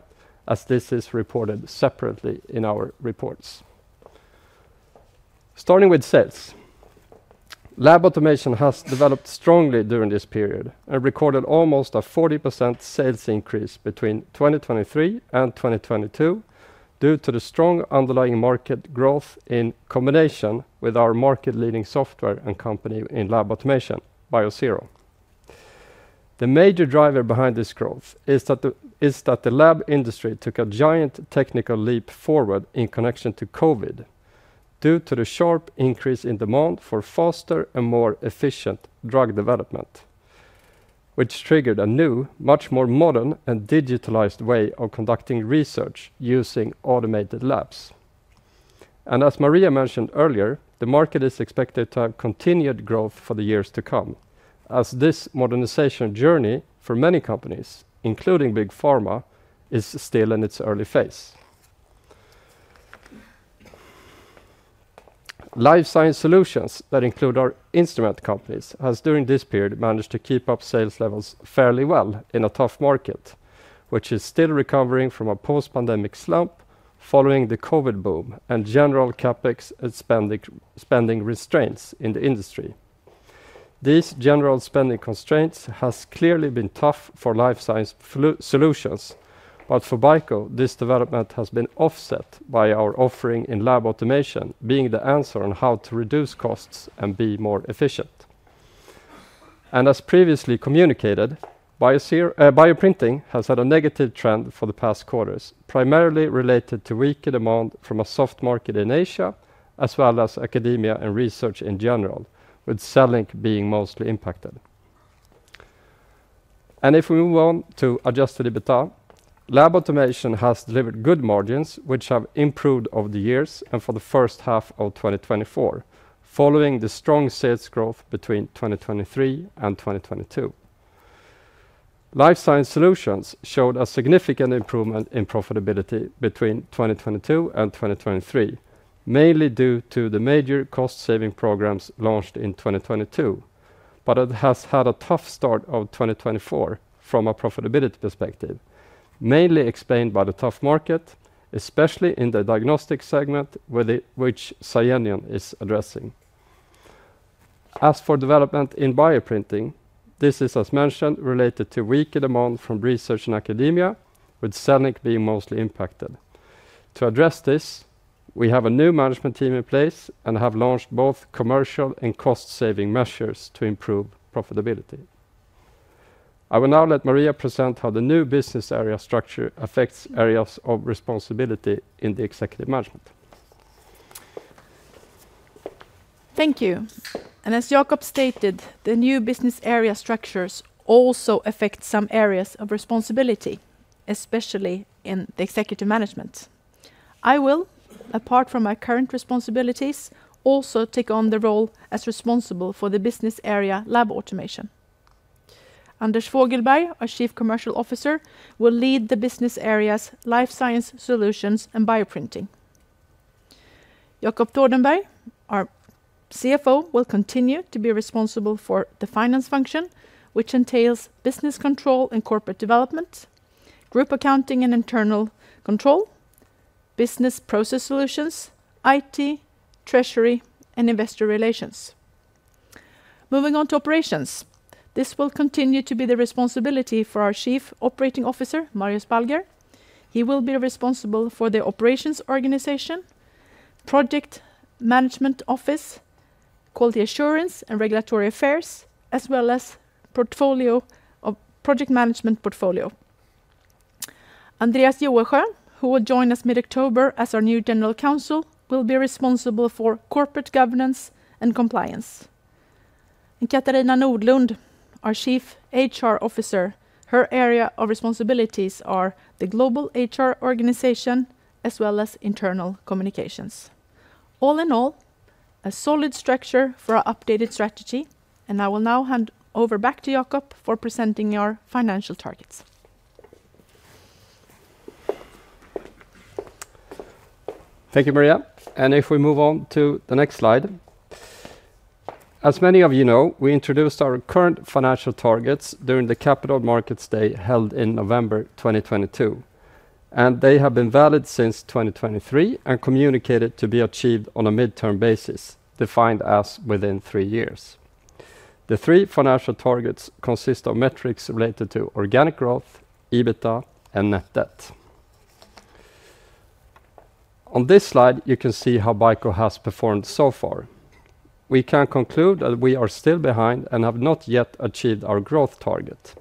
as this is reported separately in our reports. Starting with sales, Lab Automation has developed strongly during this period and recorded almost a 40% sales increase between 2024 and 2023 due to the strong underlying market growth in combination with our market-leading software and company in Lab Automation, Biosero. The major driver behind this growth is that the lab industry took a giant technical leap forward in connection to COVID due to the sharp increase in demand for faster and more efficient drug development, which triggered a new, much more modern and digitalized way of conducting research using automated labs, and as Maria mentioned earlier, the market is expected to have continued growth for the years to come, as this modernization journey for many companies, including Big Pharma, is still in its early phase. Life Science Solutions that include our instrument companies has during this period managed to keep up sales levels fairly well in a tough market, which is still recovering from a post-pandemic slump following the COVID boom and general CapEx and spending restraints in the industry. These general spending constraints have clearly been tough for Life Science Solutions, but for BICO, this development has been offset by our offering in Lab Automation, being the answer on how to reduce costs and be more efficient. As previously communicated, bioprinting has had a negative trend for the past quarters, primarily related to weaker demand from a soft market in Asia, as well as academia and research in general, with CELLINK being mostly impacted. If we move on to adjusted EBITDA, Lab Automation has delivered good margins, which have improved over the years and for the first half of 2024, following the strong sales growth between 2023 and 2022. Life Science Solutions showed a significant improvement in profitability between 2022 and 2023, mainly due to the major cost-saving programs launched in 2022, but it has had a tough start of 2024 from a profitability perspective, mainly explained by the tough market, especially in the diagnostic segment, which Scienion is addressing. As for development in Bioprinting, this is, as mentioned, related to weaker demand from research and academia, with CELLINK being mostly impacted. To address this, we have a new management team in place and have launched both commercial and cost-saving measures to improve profitability. I will now let Maria present how the new business area structure affects areas of responsibility in the executive management. Thank you. As Jacob stated, the new business area structures also affect some areas of responsibility, especially in the executive management. I will, apart from my current responsibilities, also take on the role as responsible for the business area, Lab Automation. Anders Fogelberg, our Chief Commercial Officer, will lead the business areas, Life Science Solutions, and Bioprinting. Jacob Thordenberg, our CFO, will continue to be responsible for the finance function, which entails business control and corporate development, group accounting and internal control, business process solutions, IT, treasury, and investor relations. Moving on to operations, this will continue to be the responsibility for our Chief Operating Officer, Marius Balger. He will be responsible for the operations organization, project management office, quality assurance and regulatory affairs, as well as the project management portfolio. Andreas Juresjö, who will join us mid-October as our new General Counsel, will be responsible for corporate governance and compliance, and Katarina Nordlund, our Chief HR Officer, her area of responsibilities are the global HR organization, as well as internal communications. All in all, a solid structure for our updated strategy, and I will now hand over back to Jacob for presenting our financial targets. Thank you, Maria, and if we move on to the next slide. As many of you know, we introduced our current financial targets during the Capital Markets Day, held in November 2022, and they have been valid since 2023 and communicated to be achieved on a midterm basis, defined as within three years. The three financial targets consist of metrics related to organic growth, EBITDA, and net debt. On this slide, you can see how BICO has performed so far. We can conclude that we are still behind and have not yet achieved our growth target.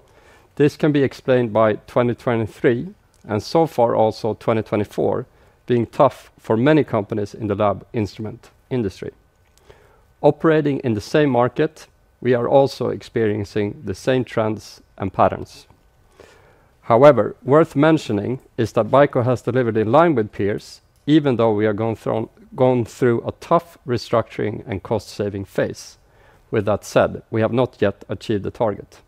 This can be explained by 2023, and so far also 2024, being tough for many companies in the lab instrument industry. Operating in the same market, we are also experiencing the same trends and patterns. However, worth mentioning is that BICO has delivered in line with peers, even though we are going through a tough restructuring and cost-saving phase. With that said, we have not yet achieved the target.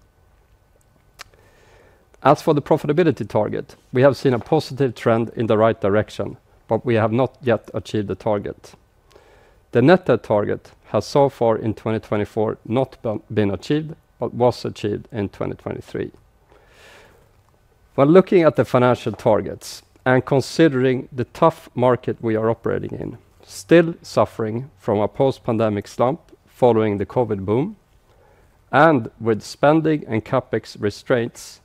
As for the profitability target, we have seen a positive trend in the right direction, but we have not yet achieved the target. The net debt target has so far in 2024 not been achieved, but was achieved in 2023. While looking at the financial targets and considering the tough market we are operating in, still suffering from a post-pandemic slump following the COVID boom, and with spending and CapEx restraints,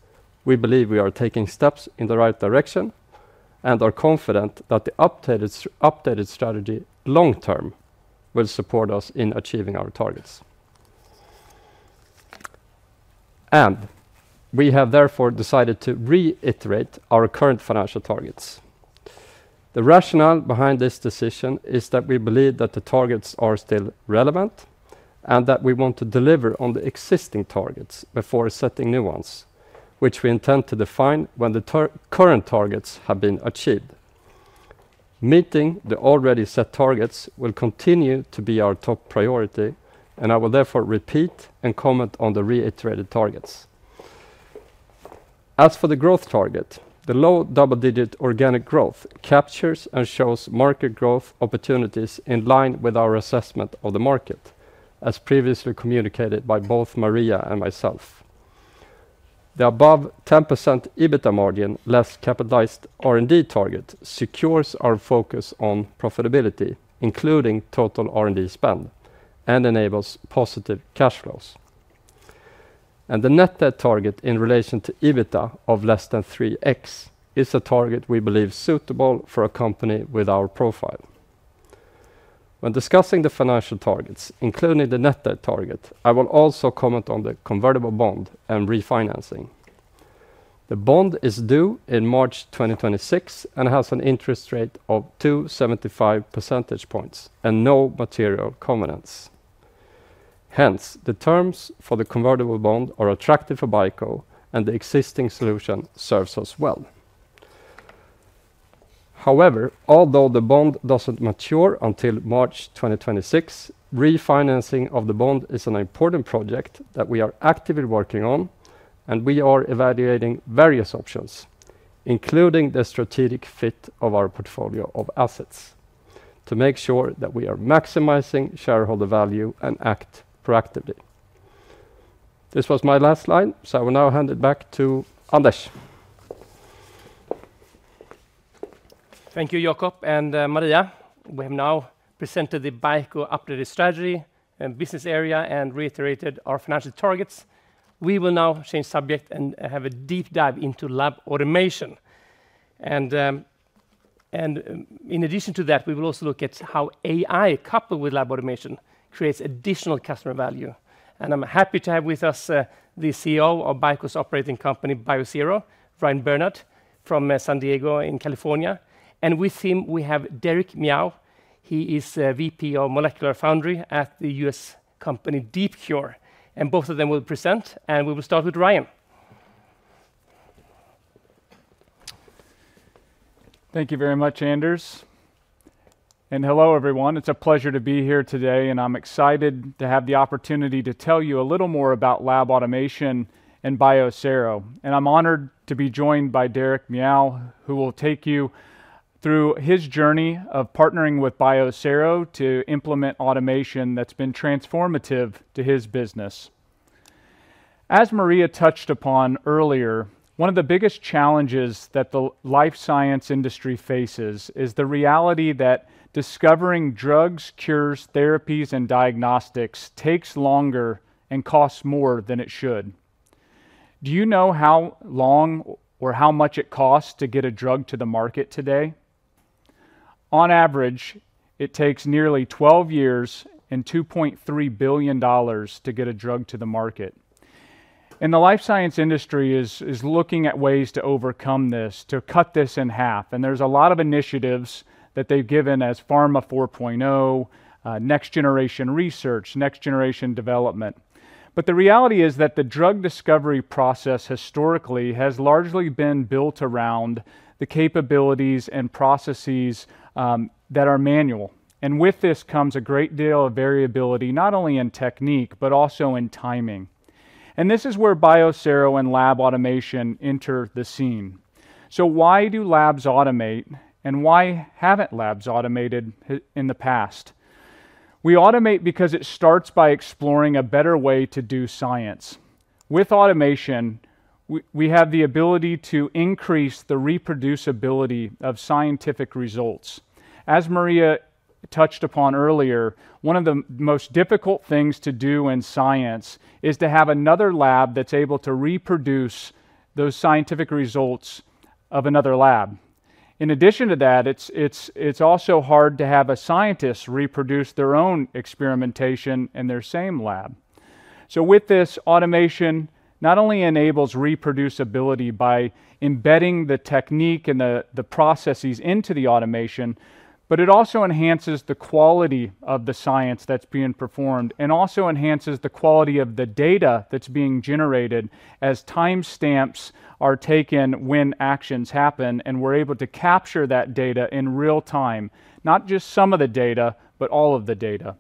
we believe we are taking steps in the right direction and are confident that the updated strategy, long term, will support us in achieving our targets, and we have therefore decided to reiterate our current financial targets. The rationale behind this decision is that we believe that the targets are still relevant, and that we want to deliver on the existing targets before setting new ones, which we intend to define when the current targets have been achieved. Meeting the already set targets will continue to be our top priority, and I will therefore repeat and comment on the reiterated targets. As for the growth target, the low double-digit organic growth captures and shows market growth opportunities in line with our assessment of the market, as previously communicated by both Maria and myself. The above 10% EBITDA margin, less capitalized R&D target, secures our focus on profitability, including total R&D spend, and enables positive cash flows, and the net debt target in relation to EBITDA of less than 3x is a target we believe suitable for a company with our profile. When discussing the financial targets, including the net debt target, I will also comment on the convertible bond and refinancing. The bond is due in March 2026, and has an interest rate of 2.75 percentage points, and no material covenants. Hence, the terms for the convertible bond are attractive for BICO, and the existing solution serves us well. However, although the bond doesn't mature until March 2026, refinancing of the bond is an important project that we are actively working on, and we are evaluating various options, including the strategic fit of our portfolio of assets, to make sure that we are maximizing shareholder value and act proactively. This was my last slide, so I will now hand it back to Anders. Thank you, Jacob and Maria. We have now presented the BICO updated strategy and business area and reiterated our financial targets. We will now change subject and have a deep dive into Lab Automation. In addition to that, we will also look at how AI, coupled with Lab Automation, creates additional customer value. I'm happy to have with us the CEO of BICO's operating company, Biosero, Ryan Bernhardt, from San Diego in California. With him, we have Derek Miao. He is VP of Molecular Foundry at the US company, DeepCure. Both of them will present, and we will start with Ryan. Thank you very much, Anders, and hello, everyone. It's a pleasure to be here today, and I'm excited to have the opportunity to tell you a little more about Lab Automation and Biosero, and I'm honored to be joined by Derek Miao, who will take you through his journey of partnering with Biosero to implement automation that's been transformative to his business. As Maria touched upon earlier, one of the biggest challenges that the life science industry faces is the reality that discovering drugs, cures, therapies, and diagnostics takes longer and costs more than it should. Do you know how long or how much it costs to get a drug to the market today? On average, it takes nearly 12 years and $2.3 billion to get a drug to the market. The life science industry is looking at ways to overcome this, to cut this in half, and there's a lot of initiatives that they've given as Pharma 4.0, next generation research, next generation development. The reality is that the drug discovery process, historically, has largely been built around the capabilities and processes that are manual. With this comes a great deal of variability, not only in technique, but also in timing. This is where Biosero and Lab Automation enter the scene. Why do labs automate, and why haven't labs automated in the past? We automate because it starts by exploring a better way to do science. With automation, we have the ability to increase the reproducibility of scientific results. As Maria touched upon earlier, one of the most difficult things to do in science is to have another lab that's able to reproduce those scientific results of another lab. In addition to that, it's also hard to have a scientist reproduce their own experimentation in their same lab. So with this, automation not only enables reproducibility by embedding the technique and the processes into the automation, but it also enhances the quality of the science that's being performed, and also enhances the quality of the data that's being generated as timestamps are taken when actions happen, and we're able to capture that data in real time, not just some of the data, but all of the data.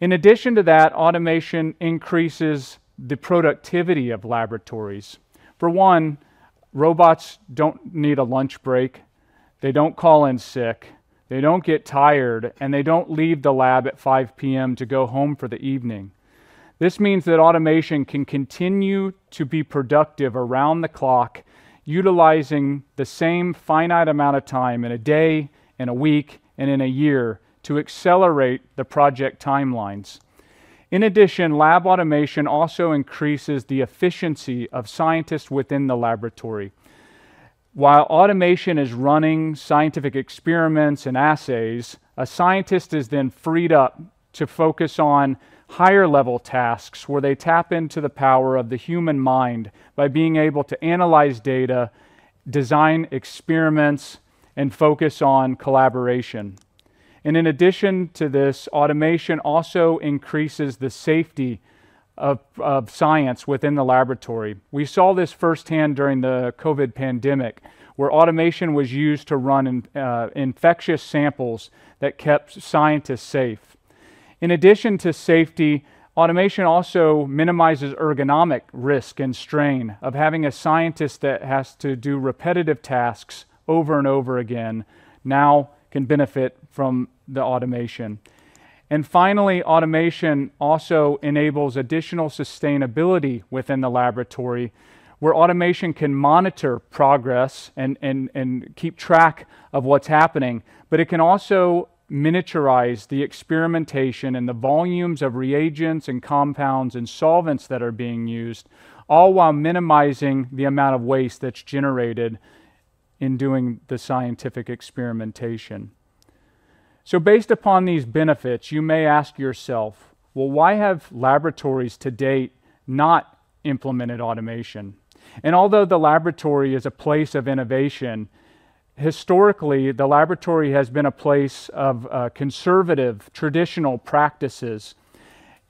In addition to that, automation increases the productivity of laboratories. For one, robots don't need a lunch break, they don't call in sick, they don't get tired, and they don't leave the lab at 5:00 P.M. to go home for the evening. This means that automation can continue to be productive around the clock, utilizing the same finite amount of time in a day, in a week, and in a year, to accelerate the project timelines. In addition, Lab Automation also increases the efficiency of scientists within the laboratory. While automation is running scientific experiments and assays, a scientist is then freed up to focus on higher level tasks, where they tap into the power of the human mind by being able to analyze data, design experiments, and focus on collaboration. And in addition to this, automation also increases the safety of science within the laboratory. We saw this firsthand during the COVID pandemic, where automation was used to run infectious samples that kept scientists safe. In addition to safety, automation also minimizes ergonomic risk and strain of having a scientist that has to do repetitive tasks over and over again, now can benefit from the automation, and finally, automation also enables additional sustainability within the laboratory, where automation can monitor progress and keep track of what's happening, but it can also miniaturize the experimentation and the volumes of reagents and compounds and solvents that are being used, all while minimizing the amount of waste that's generated in doing the scientific experimentation. So based upon these benefits, you may ask yourself, "Well, why have laboratories to date not implemented automation?" And although the laboratory is a place of innovation, historically, the laboratory has been a place of conservative, traditional practices,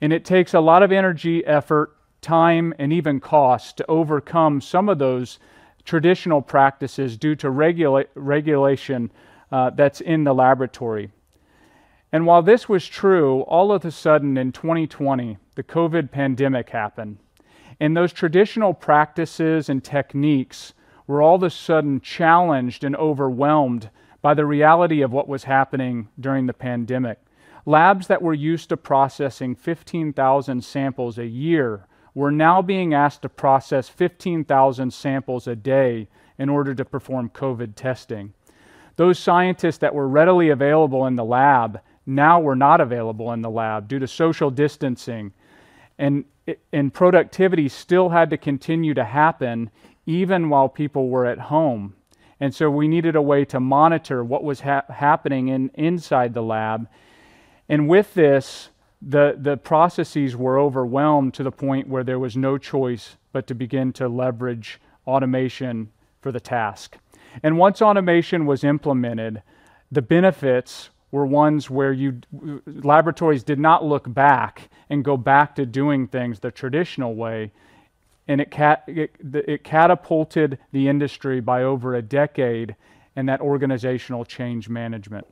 and it takes a lot of energy, effort, time, and even cost to overcome some of those traditional practices due to regulation that's in the laboratory. And while this was true, all of a sudden in 2020, the COVID pandemic happened, and those traditional practices and techniques were all of a sudden challenged and overwhelmed by the reality of what was happening during the pandemic. Labs that were used to processing 15,000 samples a year were now being asked to process 15,000 samples a day in order to perform COVID testing. Those scientists that were readily available in the lab now were not available in the lab due to social distancing, and productivity still had to continue to happen even while people were at home. We needed a way to monitor what was happening inside the lab. With this, the processes were overwhelmed to the point where there was no choice but to begin to leverage automation for the task. Once automation was implemented, the benefits were ones where laboratories did not look back and go back to doing things the traditional way, and it catapulted the industry by over a decade in that organizational change management.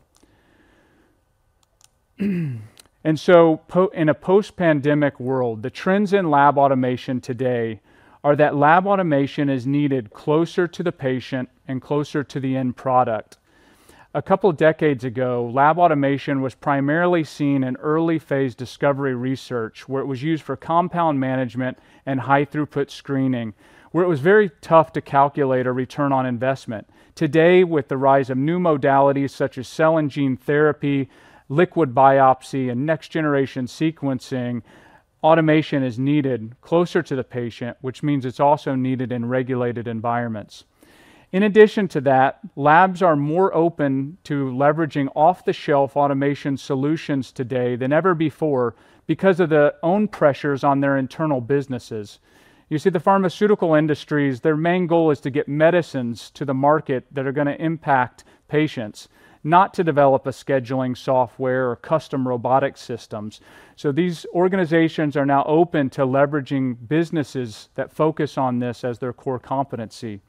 In a post-pandemic world, the trends in Lab Automation today are that Lab Automation is needed closer to the patient and closer to the end product. A couple decades ago, Lab Automation was primarily seen in early-phase discovery research, where it was used for compound management and high-throughput screening, where it was very tough to calculate a return on investment. Today, with the rise of new modalities such as cell and gene therapy, liquid biopsy, and next-generation sequencing, automation is needed closer to the patient, which means it's also needed in regulated environments. In addition to that, labs are more open to leveraging off-the-shelf automation solutions today than ever before because of their own pressures on their internal businesses. You see, the pharmaceutical industries, their main goal is to get medicines to the market that are gonna impact patients, not to develop a scheduling software or custom robotic systems. So these organizations are now open to leveraging businesses that focus on this as their core competency.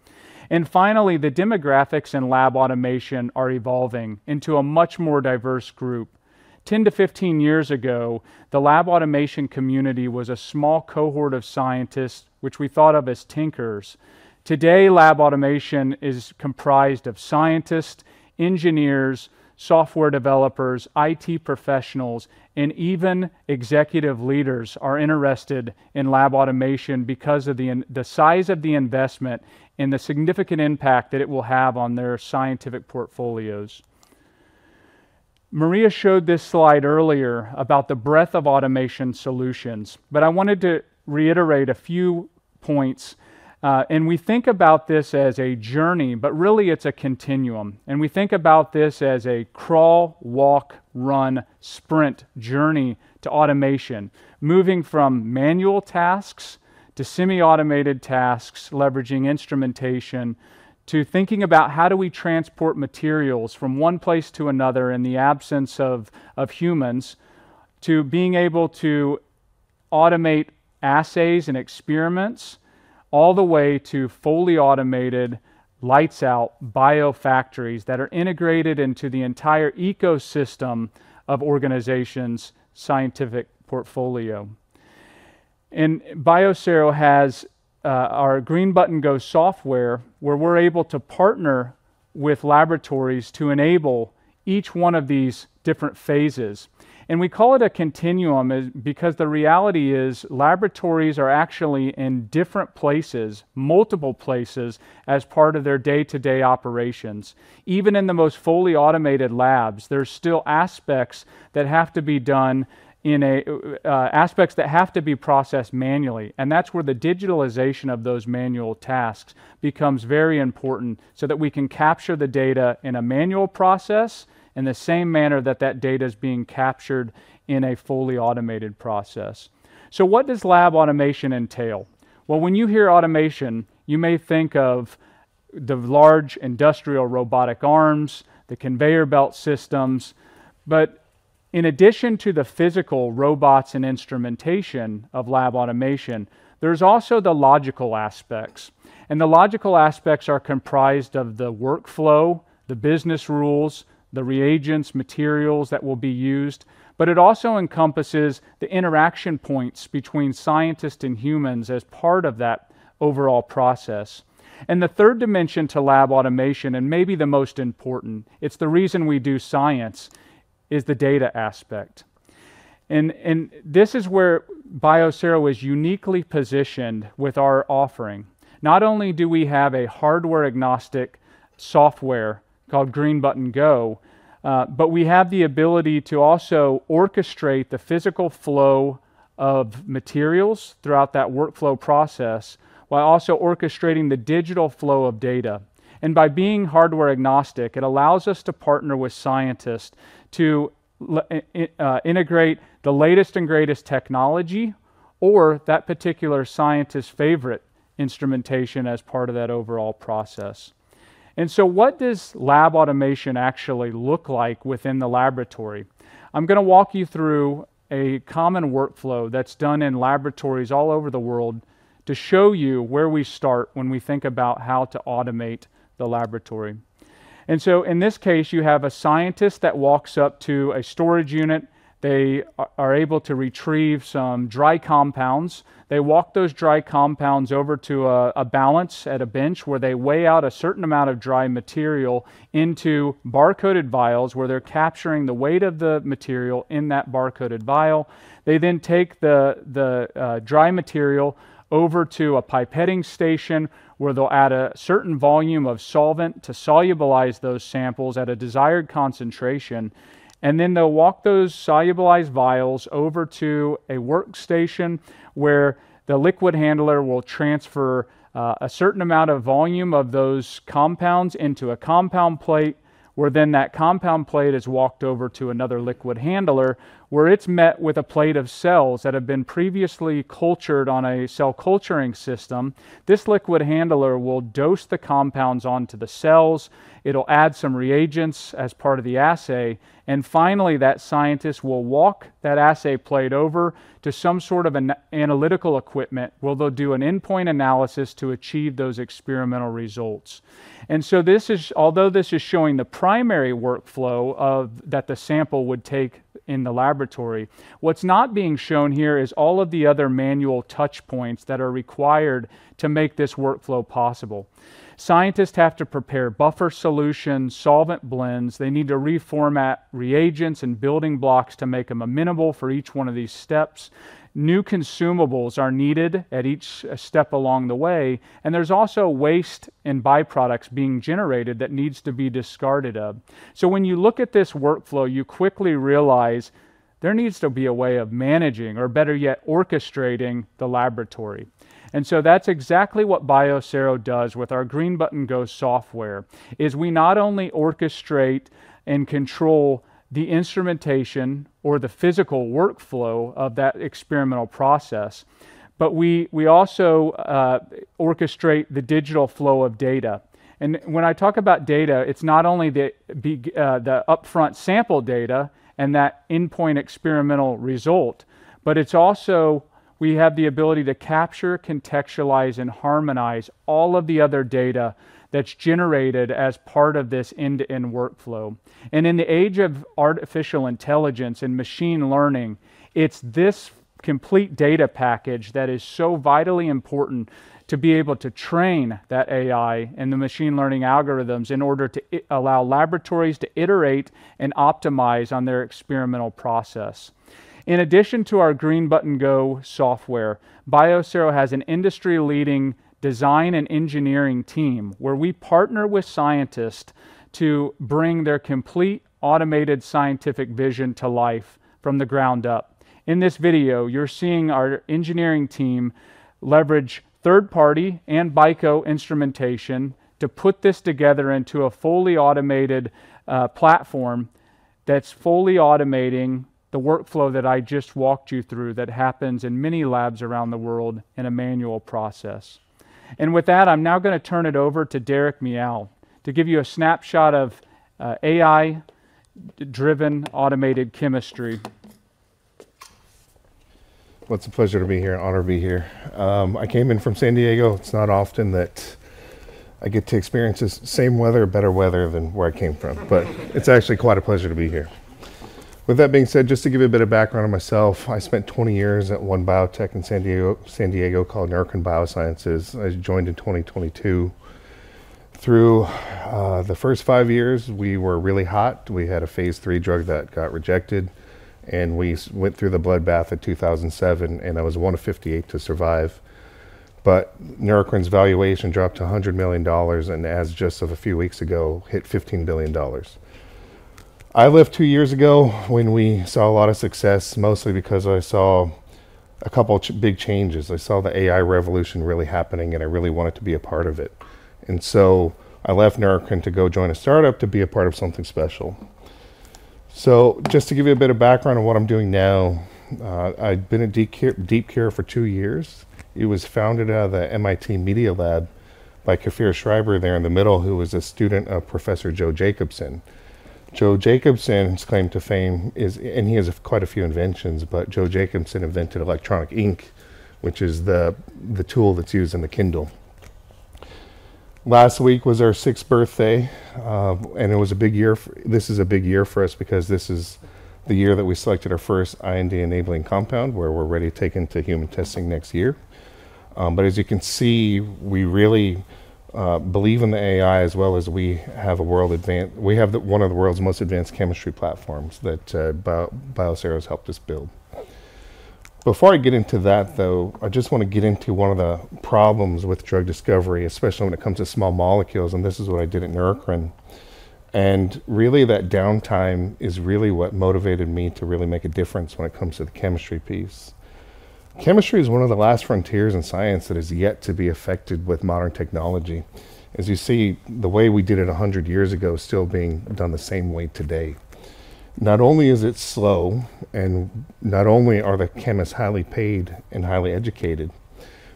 And finally, the demographics in lab automation are evolving into a much more diverse group. 10 to 15 years ago, the Lab Automation community was a small cohort of scientists, which we thought of as tinkers. Today, Lab Automation is comprised of scientists, engineers, software developers, IT professionals, and even executive leaders are interested in Lab Automation because of the size of the investment and the significant impact that it will have on their scientific portfolios. Maria showed this slide earlier about the breadth of automation solutions, but I wanted to reiterate a few points. And we think about this as a journey, but really it's a continuum, and we think about this as a crawl, walk, run, sprint journey to automation, moving from manual tasks to semi-automated tasks, leveraging instrumentation, to thinking about how do we transport materials from one place to another in the absence of humans, to being able to automate assays and experiments, all the way to fully automated, lights-out biofactories that are integrated into the entire ecosystem of organizations' scientific portfolio, and Biosero has our Green Button Go software, where we're able to partner with laboratories to enable each one of these different phases, and we call it a continuum because the reality is, laboratories are actually in different places, multiple places, as part of their day-to-day operations. Even in the most fully automated labs, there are still aspects that have to be processed manually, and that's where the digitalization of those manual tasks becomes very important so that we can capture the data in a manual process in the same manner that that data is being captured in a fully automated process. So what does Lab Automation entail? Well, when you hear automation, you may think of the large industrial robotic arms, the conveyor belt systems, but in addition to the physical robots and instrumentation of Lab Automation, there's also the logical aspects, and the logical aspects are comprised of the workflow, the business rules, the reagents, materials that will be used, but it also encompasses the interaction points between scientists and humans as part of that overall process. And the third dimension to Lab Automation, and maybe the most important, it's the reason we do science, is the data aspect. And this is where Biosero is uniquely positioned with our offering. Not only do we have a hardware-agnostic software called Green Button Go, but we have the ability to also orchestrate the physical flow of materials throughout that workflow process, while also orchestrating the digital flow of data. And by being hardware-agnostic, it allows us to partner with scientists to integrate the latest and greatest technology or that particular scientist's favorite instrumentation as part of that overall process. And so what does Lab Automation actually look like within the laboratory? I'm gonna walk you through a common workflow that's done in laboratories all over the world to show you where we start when we think about how to automate the laboratory. In this case, you have a scientist that walks up to a storage unit. They are able to retrieve some dry compounds. They walk those dry compounds over to a balance at a bench, where they weigh out a certain amount of dry material into bar-coded vials, where they're capturing the weight of the material in that bar-coded vial. They then take the dry material over to a pipetting station, where they'll add a certain volume of solvent to solubilize those samples at a desired concentration, and then they'll walk those solubilized vials over to a workstation, where the liquid handler will transfer a certain amount of volume of those compounds into a compound plate, where then that compound plate is walked over to another liquid handler, where it's met with a plate of cells that have been previously cultured on a cell culturing system. This liquid handler will dose the compounds onto the cells. It'll add some reagents as part of the assay, and finally, that scientist will walk that assay plate over to some sort of analytical equipment, where they'll do an endpoint analysis to achieve those experimental results. And so this is, although this is showing the primary workflow of that the sample would take in the laboratory, what's not being shown here is all of the other manual touch points that are required to make this workflow possible. Scientists have to prepare buffer solutions, solvent blends. They need to reformat reagents and building blocks to make them amenable for each one of these steps. New consumables are needed at each step along the way, and there's also waste and byproducts being generated that needs to be discarded of, so when you look at this workflow, you quickly realize there needs to be a way of managing, or better yet, orchestrating the laboratory, and so that's exactly what Biosero does with our Green Button Go software, is we not only orchestrate and control the instrumentation or the physical workflow of that experimental process, but we, we also, orchestrate the digital flow of data. When I talk about data, it's not only the upfront sample data and that endpoint experimental result, but it's also we have the ability to capture, contextualize, and harmonize all of the other data that's generated as part of this end-to-end workflow. In the age of artificial intelligence and machine learning, it's this complete data package that is so vitally important to be able to train that AI and the machine learning algorithms in order to allow laboratories to iterate and optimize on their experimental process. In addition to our Green Button Go software, Biosero has an industry-leading design and engineering team, where we partner with scientists to bring their complete automated scientific vision to life from the ground up. In this video, you're seeing our engineering team leverage third-party and BICO instrumentation to put this together into a fully automated platform that's fully automating the workflow that I just walked you through that happens in many labs around the world in a manual process. With that, I'm now gonna turn it over to Derek Miao to give you a snapshot of AI-driven automated chemistry. It's a pleasure to be here, an honor to be here. I came in from San Diego. It's not often that I get to experience this same weather, better weather than where I came from. But it's actually quite a pleasure to be here. With that being said, just to give you a bit of background on myself, I spent 20 years at one biotech in San Diego, San Diego called Neurocrine Biosciences. I joined in 2022. Through the first five years, we were really hot. We had a phase III drug that got rejected, and we went through the bloodbath of 2007, and that was one of 58 to survive. But Neurocrine's valuation dropped to $100 million, and as of just a few weeks ago, hit $15 billion. I left two years ago when we saw a lot of success, mostly because I saw a couple big changes. I saw the AI revolution really happening, and I really wanted to be a part of it. And so I left Neurocrine to go join a startup to be a part of something special. So just to give you a bit of background on what I'm doing now, I've been at DeepCure for two years. It was founded out of the MIT Media Lab by Kfir Schreiber there in the middle, who was a student of Professor Joe Jacobson. Joe Jacobson's claim to fame is, and he has quite a few inventions, but Joe Jacobson invented electronic ink, which is the tool that's used in the Kindle. Last week was our sixth birthday, and this is a big year for us because this is the year that we selected our first IND-enabling compound, where we're ready to take it to human testing next year. But as you can see, we really believe in the AI as well as we have one of the world's most advanced chemistry platforms that Biosero has helped us build. Before I get into that, though, I just wanna get into one of the problems with drug discovery, especially when it comes to small molecules, and this is what I did at Neurocrine. And really, that downtime is really what motivated me to really make a difference when it comes to the chemistry piece. Chemistry is one of the last frontiers in science that is yet to be affected with modern technology. As you see, the way we did it a hundred years ago is still being done the same way today. Not only is it slow, and not only are the chemists highly paid and highly educated,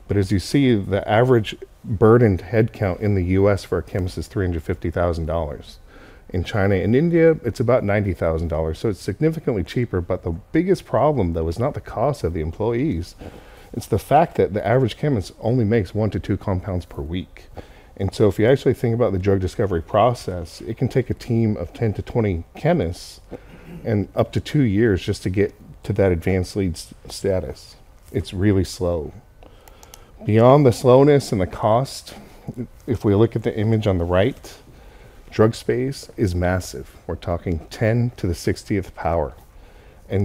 but as you see, the average burdened headcount in the U.S. for a chemist is $350,000. In China and India, it's about $90,000, so it's significantly cheaper. But the biggest problem, though, is not the cost of the employees, it's the fact that the average chemist only makes one to two compounds per week. And so if you actually think about the drug discovery process, it can take a team of 10-20 chemists and up to 2 years just to get to that advanced lead status. It's really slow. Beyond the slowness and the cost, if we look at the image on the right, drug space is massive. We're talking 10 to the sixtieth power.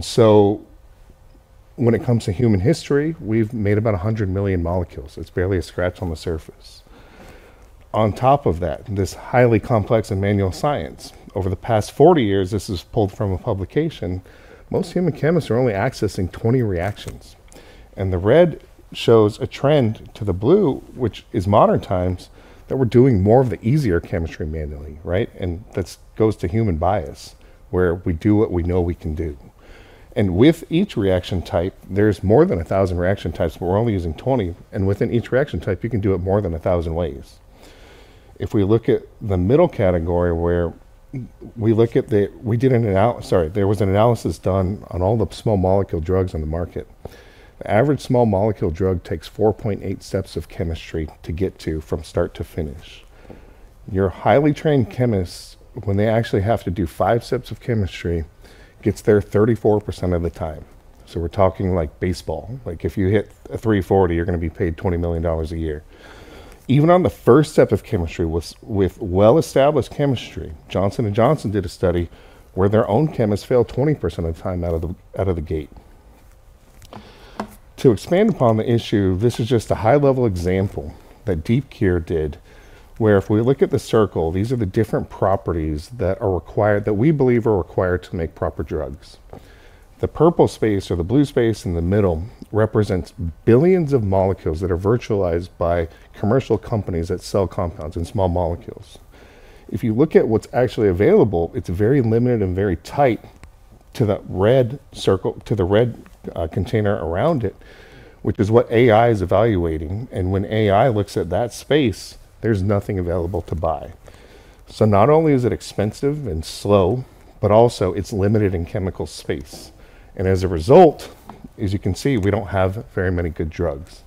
So when it comes to human history, we've made about 100 million molecules. It's barely a scratch on the surface. On top of that, this highly complex and manual science, over the past 40 years, this is pulled from a publication. Most human chemists are only accessing 20 reactions. The red shows a trend to the blue, which is modern times, that we're doing more of the easier chemistry manually, right? That goes to human bias, where we do what we know we can do. With each reaction type, there's more than 1,000 reaction types, but we're only using 20, and within each reaction type, you can do it more than 1,000 ways. If we look at the middle category, where we look at the, we did an analysis. Sorry, there was an analysis done on all the small molecule drugs on the market. The average small molecule drug takes 4.8 steps of chemistry to get to from start to finish. Your highly trained chemists, when they actually have to do five steps of chemistry, gets there 34% of the time. So we're talking like baseball, like if you hit a .340, you're gonna be paid $20 million a year. Even on the first step of chemistry, with well-established chemistry, Johnson & Johnson did a study where their own chemists failed 20% of the time out of the gate. To expand upon the issue, this is just a high-level example that DeepCure did, where if we look at the circle, these are the different properties that are required, that we believe are required to make proper drugs. The purple space or the blue space in the middle represents billions of molecules that are virtualized by commercial companies that sell compounds and small molecules. If you look at what's actually available, it's very limited and very tight to that red circle, to the red container around it, which is what AI is evaluating, and when AI looks at that space, there's nothing available to buy. So not only is it expensive and slow, but also it's limited in chemical space. And as a result, as you can see, we don't have very many good drugs.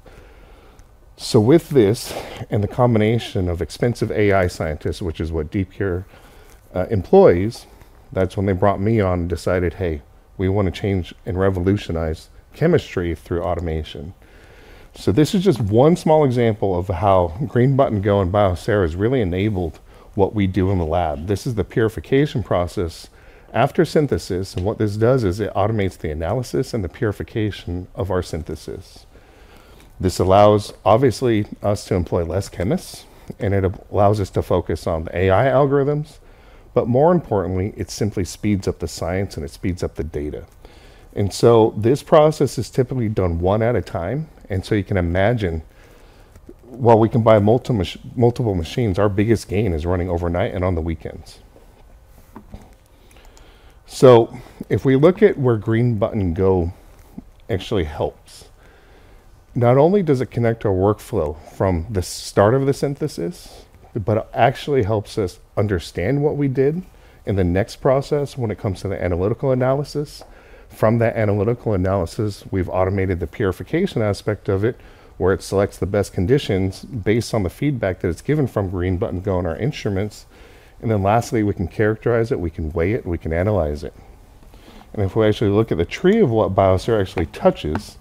So with this and the combination of expensive AI scientists, which is what DeepCure, uh, employs, that's when they brought me on and decided, "Hey, we wanna change and revolutionize chemistry through automation." So this is just one small example of how Green Button Go and Biosero has really enabled what we do in the lab. This is the purification process after synthesis, and what this does is it automates the analysis and the purification of our synthesis. This allows, obviously, us to employ less chemists, and it allows us to focus on the AI algorithms, but more importantly, it simply speeds up the science, and it speeds up the data. And so this process is typically done one at a time, and so you can imagine, while we can buy multiple machines, our biggest gain is running overnight and on the weekends. If we look at where Green Button Go actually helps, not only does it connect our workflow from the start of the synthesis, but it actually helps us understand what we did in the next process when it comes to the analytical analysis. From that analytical analysis, we've automated the purification aspect of it, where it selects the best conditions based on the feedback that it's given from Green Button Go and our instruments, and then lastly, we can characterize it, we can weigh it, and we can analyze it. And if we actually look at the tree of what Biosero actually touches,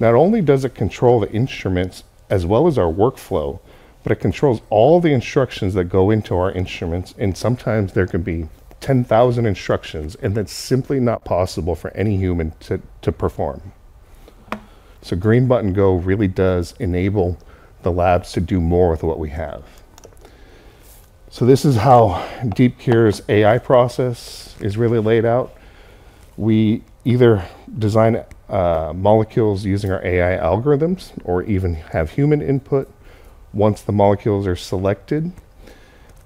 not only does it control the instruments as well as our workflow, but it controls all the instructions that go into our instruments, and sometimes there can be 10,000 instructions, and that's simply not possible for any human to perform. Green Button Go really does enable the labs to do more with what we have. This is how DeepCure's AI process is really laid out. We either design molecules using our AI algorithms or even have human input. Once the molecules are selected,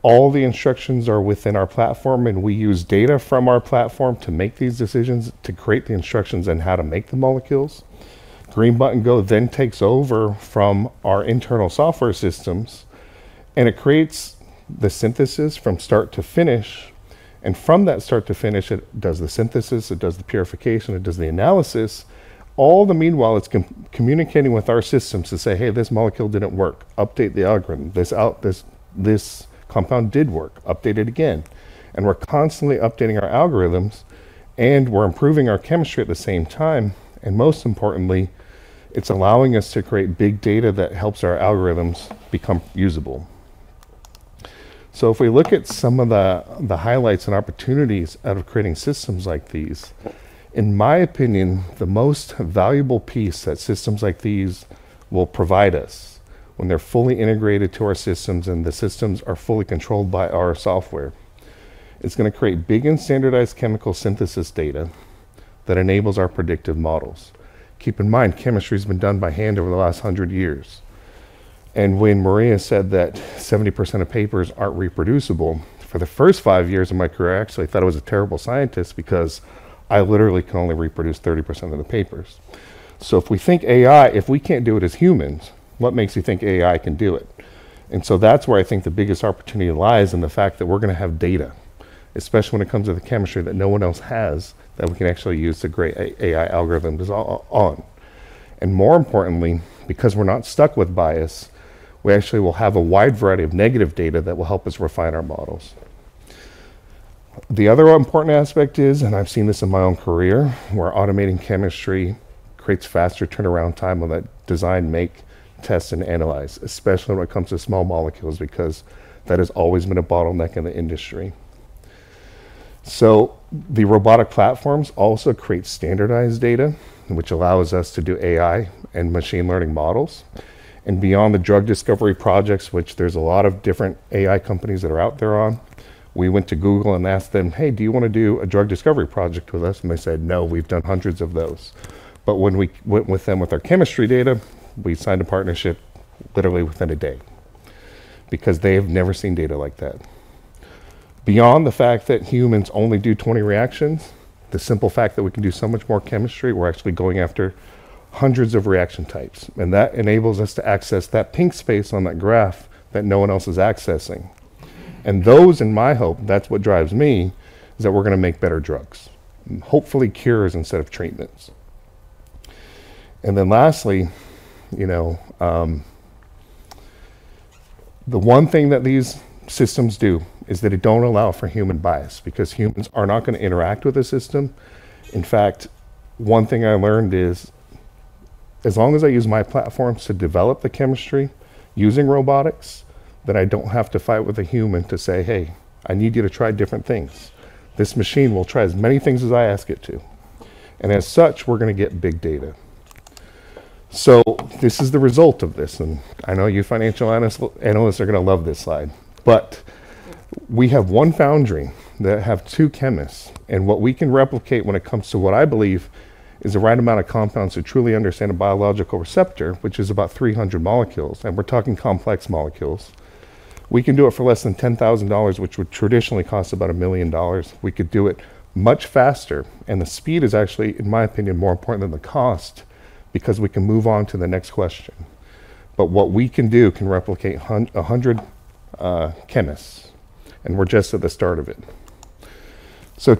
all the instructions are within our platform, and we use data from our platform to make these decisions, to create the instructions on how to make the molecules. Green Button Go then takes over from our internal software systems, and it creates the synthesis from start to finish, and from that start to finish, it does the synthesis, it does the purification, it does the analysis. All the meanwhile, it's communicating with our systems to say, "Hey, this molecule didn't work. Update the algorithm. This, this compound did work. Update it again." And we're constantly updating our algorithms, and we're improving our chemistry at the same time, and most importantly, it's allowing us to create big data that helps our algorithms become usable. So if we look at some of the highlights and opportunities out of creating systems like these, in my opinion, the most valuable piece that systems like these will provide us when they're fully integrated to our systems and the systems are fully controlled by our software, it's gonna create big and standardized chemical synthesis data that enables our predictive models. Keep in mind, chemistry has been done by hand over the last 100 years, and when Maria said that 70% of papers aren't reproducible, for the first five years of my career, I actually thought I was a terrible scientist because I literally can only reproduce 30% of the papers. So if we think AI, if we can't do it as humans, what makes you think AI can do it? And so that's where I think the biggest opportunity lies, in the fact that we're gonna have data, especially when it comes to the chemistry that no one else has, that we can actually use to create an AI algorithm on. And more importantly, because we're not stuck with bias, we actually will have a wide variety of negative data that will help us refine our models. The other important aspect is, and I've seen this in my own career, where automating chemistry creates faster turnaround time on that design, make, test, and analyze, especially when it comes to small molecules, because that has always been a bottleneck in the industry. So the robotic platforms also create standardized data, which allows us to do AI and machine learning models. And beyond the drug discovery projects, which there's a lot of different AI companies that are out there on, we went to Google and asked them, "Hey, do you wanna do a drug discovery project with us?" And they said, "No, we've done hundreds of those." But when we went with them with our chemistry data, we signed a partnership literally within a day, because they have never seen data like that. Beyond the fact that humans only do 20 reactions, the simple fact that we can do so much more chemistry, we're actually going after hundreds of reaction types, and that enables us to access that pink space on that graph that no one else is accessing. And those, in my hope, that's what drives me, is that we're gonna make better drugs and hopefully cures instead of treatments. And then lastly, you know, the one thing that these systems do is that it don't allow for human bias, because humans are not gonna interact with the system. In fact, one thing I learned is, as long as I use my platforms to develop the chemistry using robotics, then I don't have to fight with a human to say, "Hey, I need you to try different things." This machine will try as many things as I ask it to, and as such, we're gonna get big data. So this is the result of this, and I know you financial analysts are gonna love this slide, but we have one foundry that have two chemists, and what we can replicate when it comes to what I believe is the right amount of compounds to truly understand a biological receptor, which is about 300 molecules, and we're talking complex molecules, we can do it for less than $10,000, which would traditionally cost about $1 million. We could do it much faster, and the speed is actually, in my opinion, more important than the cost, because we can move on to the next question. But what we can do can replicate a hundred chemists, and we're just at the start of it.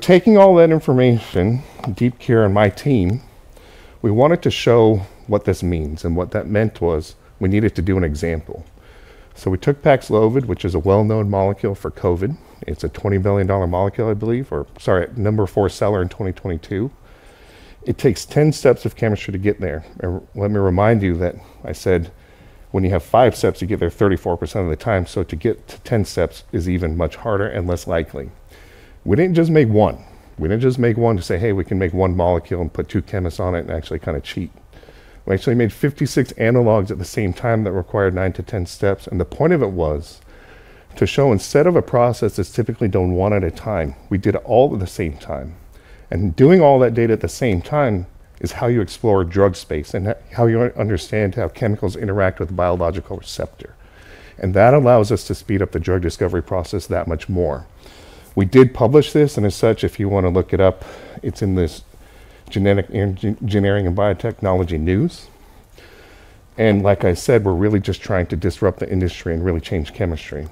Taking all that information, DeepCure and my team, we wanted to show what this means, and what that meant was we needed to do an example. We took Paxlovid, which is a well-known molecule for COVID. It's a $20 billion molecule, I believe, or sorry, number four seller in 2022. It takes ten steps of chemistry to get there. Let me remind you that I said when you have five steps, you get there 34% of the time, so to get to ten steps is even much harder and less likely. We didn't just make one. We didn't just make one to say, "Hey, we can make one molecule and put two chemists on it and actually kinda cheat." We actually made 56 analogs at the same time that required nine to ten steps, and the point of it was to show instead of a process that's typically done one at a time, we did it all at the same time. And doing all that data at the same time is how you explore drug space and how you understand how chemicals interact with biological receptor. And that allows us to speed up the drug discovery process that much more. We did publish this, and as such, if you wanna look it up, it's in this Genetic Engineering & Biotechnology News. And like I said, we're really just trying to disrupt the industry and really change chemistry.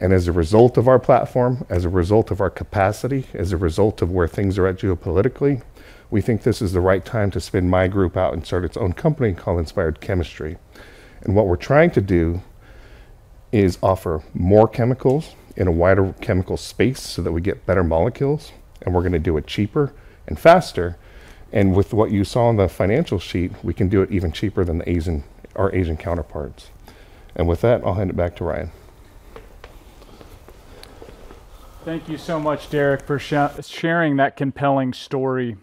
As a result of our platform, as a result of our capacity, as a result of where things are at geopolitically, we think this is the right time to spin my group out and start its own company called Inspired Chemistry. What we're trying to do is offer more chemicals in a wider chemical space so that we get better molecules, and we're gonna do it cheaper and faster. With what you saw on the financial sheet, we can do it even cheaper than the Asian, our Asian counterparts. With that, I'll hand it back to Ryan. Thank you so much, Derek, for sharing that compelling story,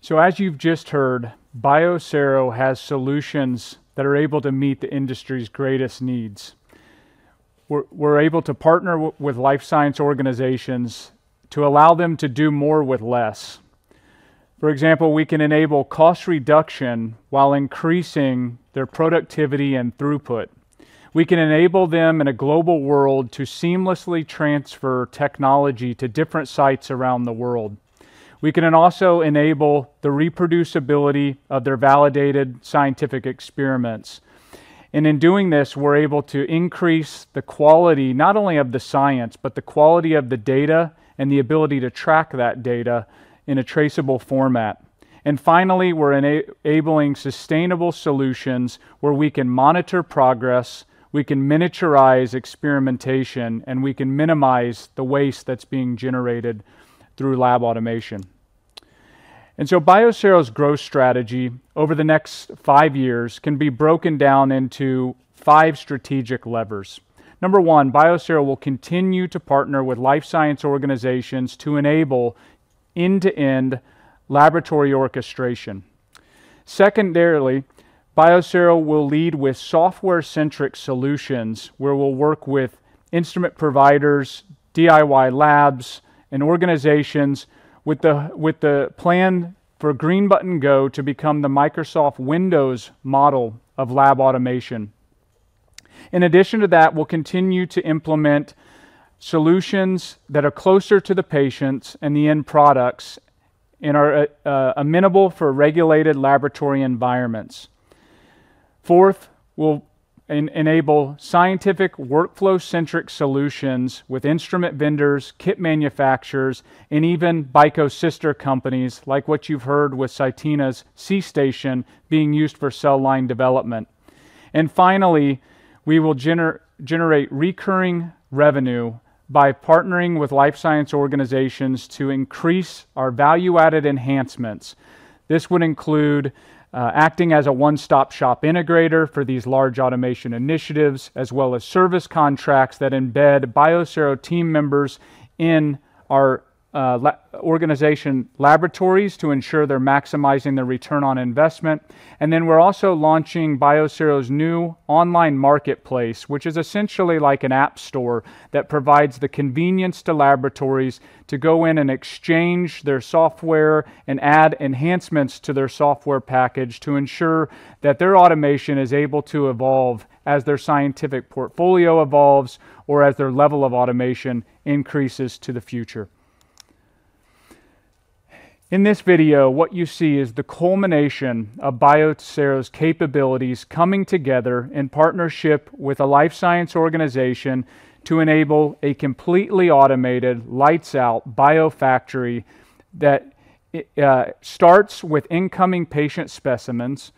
so as you've just heard, Biosero has solutions that are able to meet the industry's greatest needs. We're able to partner with life science organizations to allow them to do more with less. For example, we can enable cost reduction while increasing their productivity and throughput. We can enable them in a global world to seamlessly transfer technology to different sites around the world. We can also enable the reproducibility of their validated scientific experiments, and in doing this, we're able to increase the quality, not only of the science, but the quality of the data and the ability to track that data in a traceable format, and finally, we're enabling sustainable solutions where we can monitor progress, we can miniaturize experimentation, and we can minimize the waste that's being generated through Lab Automation. BICO's growth strategy over the next five years can be broken down into five strategic levers. Number one, BICO will continue to partner with life science organizations to enable end-to-end laboratory orchestration. Secondarily, BICO will lead with software-centric solutions, where we'll work with instrument providers, DIY labs, and organizations with the plan for Green Button Go to become the Microsoft Windows model of Lab Automation. In addition to that, we'll continue to implement solutions that are closer to the patients and the end products and are amenable for regulated laboratory environments. Fourth, we'll enable scientific workflow-centric solutions with instrument vendors, kit manufacturers, and even BICO sister companies, like what you've heard with CYTENA's C.STATION being used for cell line development. Finally, we will generate recurring revenue by partnering with life science organizations to increase our value-added enhancements. This would include acting as a one-stop-shop integrator for these large automation initiatives, as well as service contracts that embed Biosero team members in our organization laboratories to ensure they're maximizing their return on investment. And then we're also launching Biosero's new online marketplace, which is essentially like an app store that provides the convenience to laboratories to go in and exchange their software and add enhancements to their software package to ensure that their automation is able to evolve as their scientific portfolio evolves or as their level of automation increases to the future. In this video, what you see is the culmination of Biosero's capabilities coming together in partnership with a life science organization to enable a completely automated, lights out biofactory that starts with incoming patient specimens.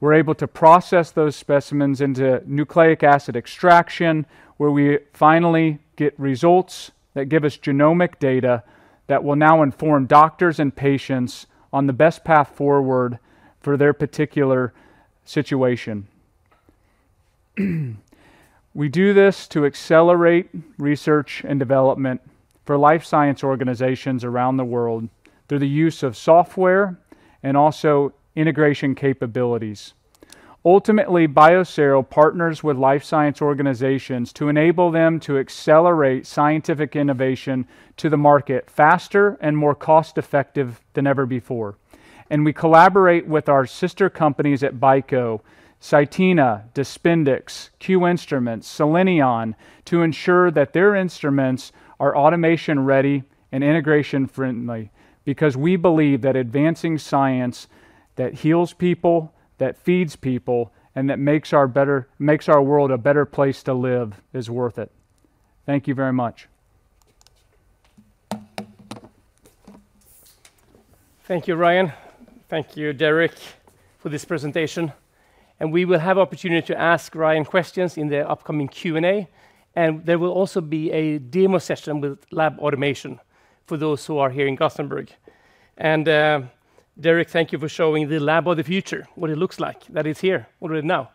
We're able to process those specimens into nucleic acid extraction, where we finally get results that give us genomic data that will now inform doctors and patients on the best path forward for their particular situation. We do this to accelerate research and development for life science organizations around the world through the use of software and also integration capabilities. Ultimately, Biosero partners with life science organizations to enable them to accelerate scientific innovation to the market faster and more cost-effective than ever before, and we collaborate with our sister companies at BICO, CYTENA, DISPENDIX, QInstruments, Scienion, to ensure that their instruments are automation-ready and integration-friendly, because we believe that advancing science that heals people, that feeds people, and that makes our world a better place to live, is worth it. Thank you very much. Thank you, Ryan. Thank you, Derek, for this presentation. And we will have opportunity to ask Ryan questions in the upcoming Q&A, and there will also be a demo session with lab automation for those who are here in Gothenburg. And, Derek, thank you for showing the lab of the future, what it looks like, that is here already now.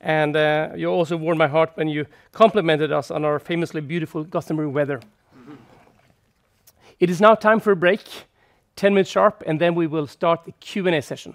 And, you also warmed my heart when you complimented us on our famously beautiful Gothenburg weather. It is now time for a break, ten minutes sharp, and then we will start the Q&A session.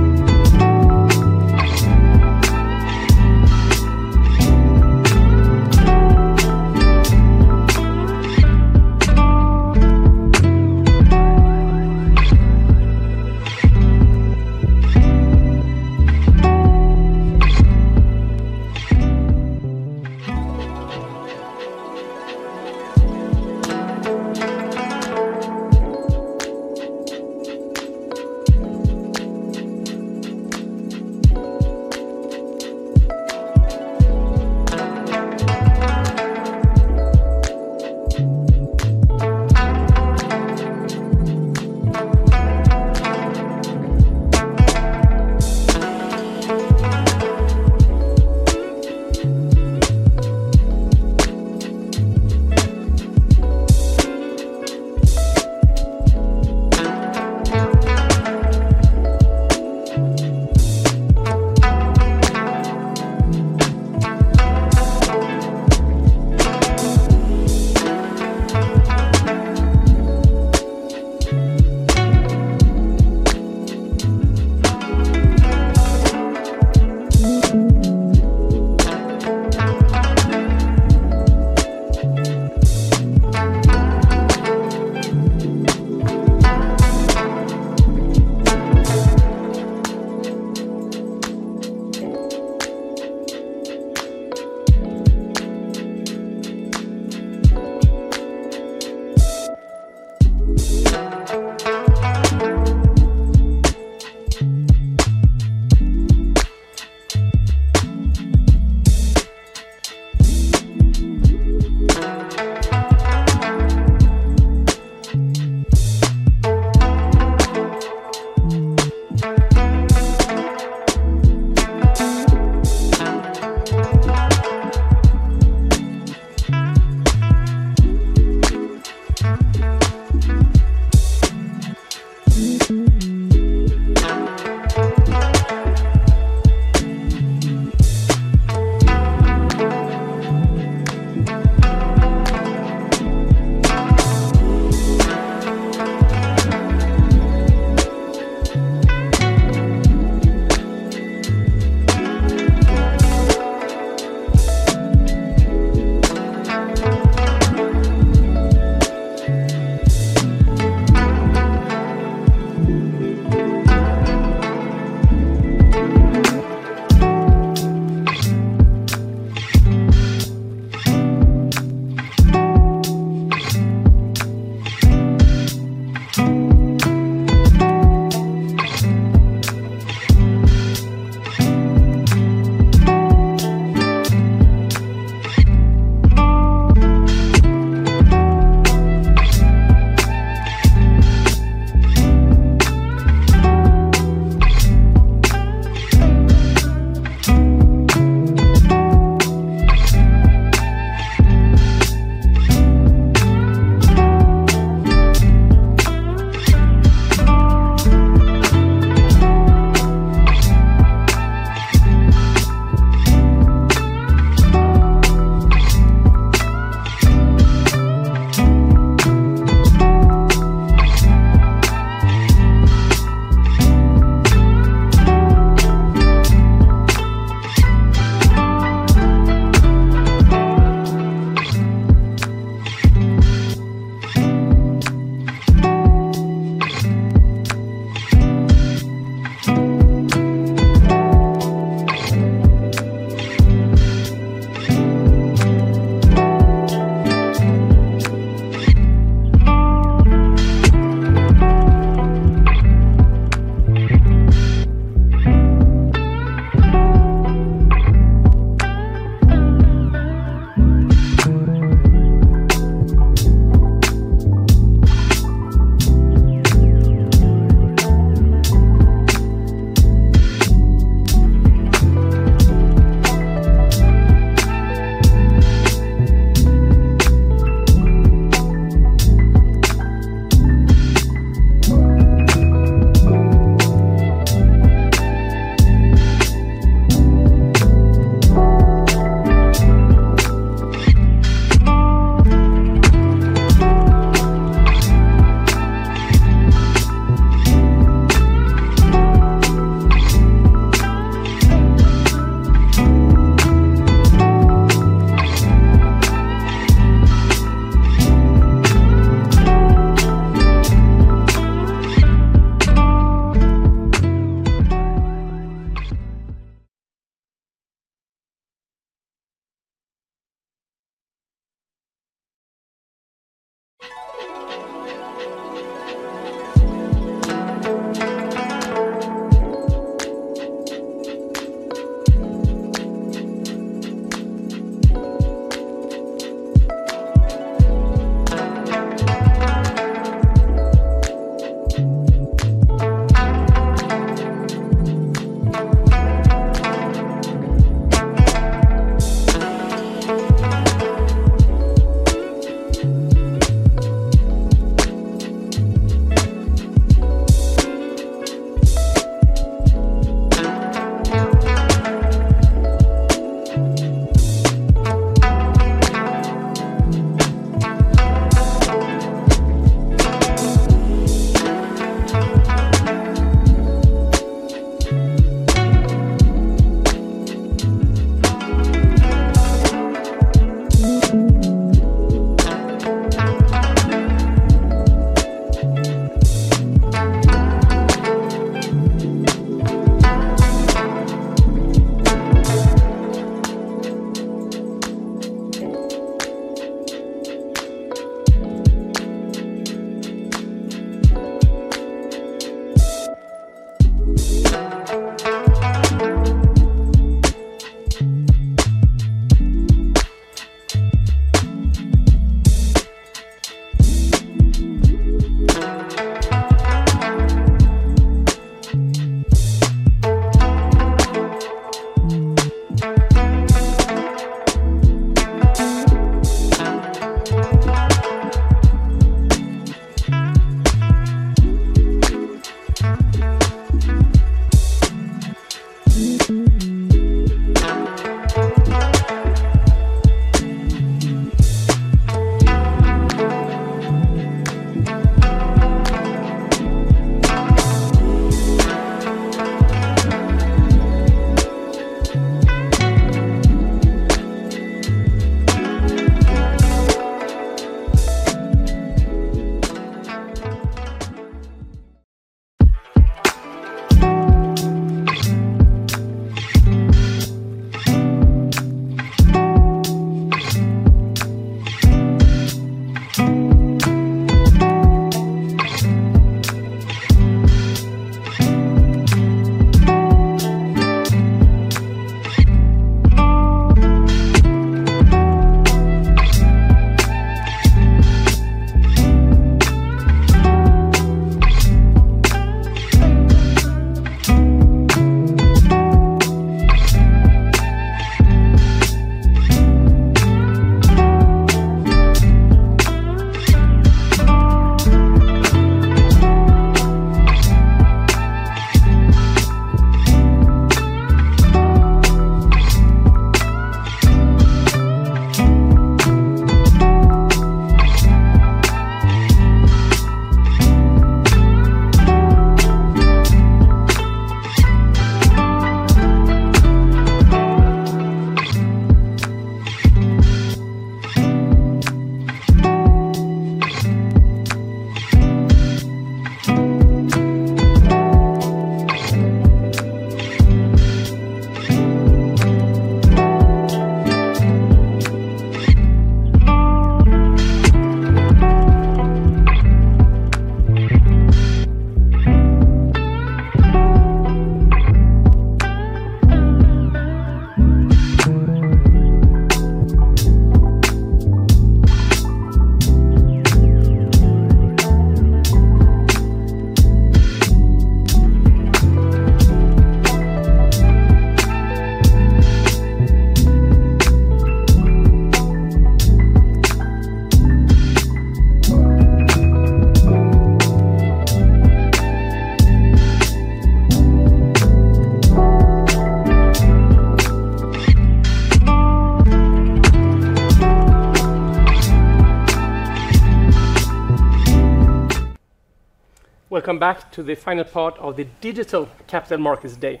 Welcome back to the final part of the Digital Capital Markets Day.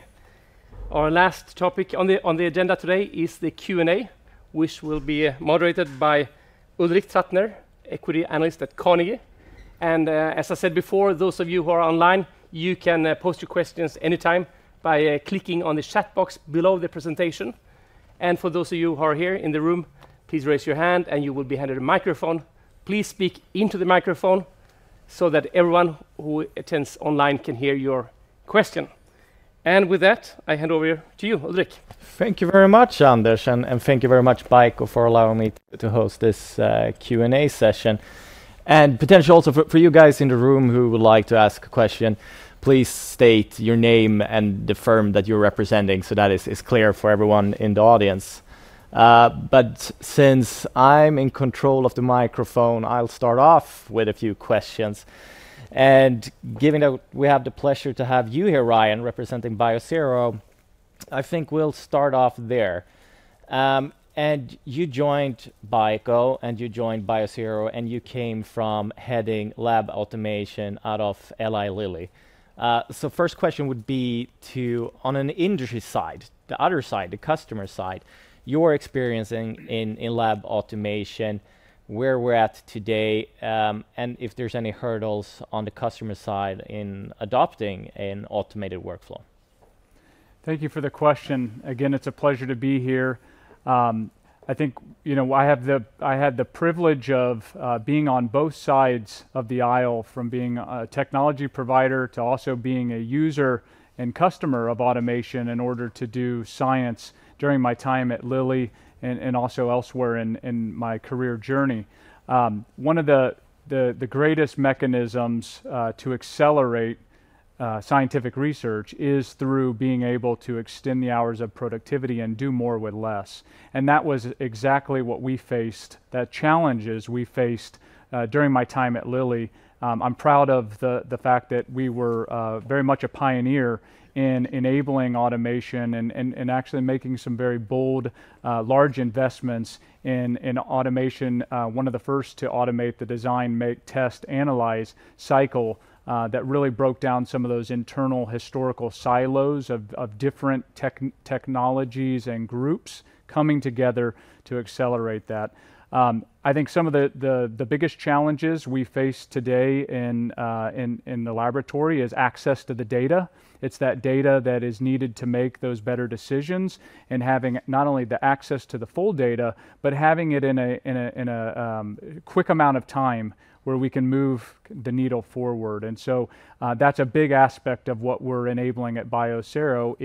Our last topic on the agenda today is the Q&A, which will be moderated by Ulrik Trattner, equity analyst at Carnegie. As I said before, those of you who are online, you can post your questions anytime by clicking on the chat box below the presentation. For those of you who are here in the room, please raise your hand and you will be handed a microphone. Please speak into the microphone so that everyone who attends online can hear your question. With that, I hand over to you, Ulrik. Thank you very much, Anders, and thank you very much, BICO, for allowing me to host this Q&A session. And potentially also for you guys in the room who would like to ask a question, please state your name and the firm that you're representing so that is clear for everyone in the audience. But since I'm in control of the microphone, I'll start off with a few questions. And given that we have the pleasure to have you here, Ryan, representing Biosero, I think we'll start off there. And you joined BICO, and you joined Biosero, and you came from heading Lab Automation out of Eli Lilly. So, first question would be to, on an industry side, the other side, the customer side, your experience in Lab Automation, where we're at today, and if there's any hurdles on the customer side in adopting an automated workflow? Thank you for the question. Again, it's a pleasure to be here. I think, you know, I had the privilege of being on both sides of the aisle, from being a technology provider to also being a user and customer of automation in order to do science during my time at Lilly and also elsewhere in my career journey. One of the greatest mechanisms to accelerate scientific research is through being able to extend the hours of productivity and do more with less, and that was exactly what we faced, the challenges we faced, during my time at Lilly. I'm proud of the fact that we were very much a pioneer in enabling automation and actually making some very bold large investments in automation. One of the first to automate the design, make, test, analyze cycle, that really broke down some of those internal historical silos of different technologies and groups coming together to accelerate that. I think some of the biggest challenges we face today in the laboratory is access to the data. It's that data that is needed to make those better decisions, and having not only the access to the full data, but having it in a quick amount of time where we can move the needle forward. That's a big aspect of what we're enabling at Biosero.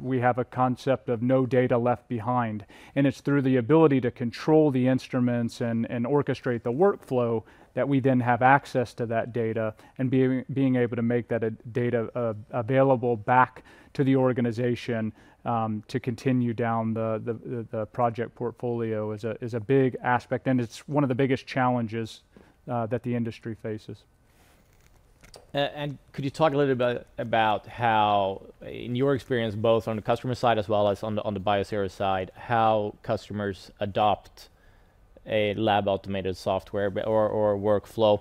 We have a concept of no data left behind, and it's through the ability to control the instruments and orchestrate the workflow that we then have access to that data and being able to make that data available back to the organization to continue down the project portfolio. It's a big aspect, and it's one of the biggest challenges that the industry faces. Could you talk a little bit about how, in your experience, both on the customer side as well as on the Biosero side, how customers adopt a Lab Automation software or workflow?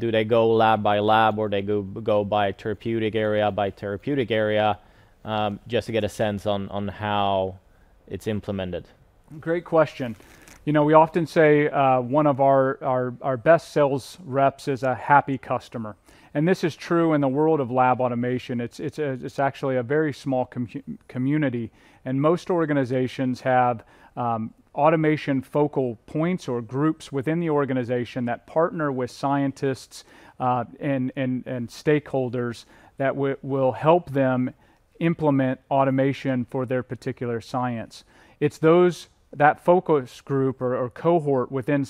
Do they go lab by lab, or they go by therapeutic area? Just to get a sense on how it's implemented. Great question. You know, we often say one of our best sales reps is a happy customer, and this is true in the world of Lab Automation. It's actually a very small community, and most organizations have automation focal points or groups within the organization that partner with scientists and stakeholders that will help them implement automation for their particular science. It's those focus group or cohort within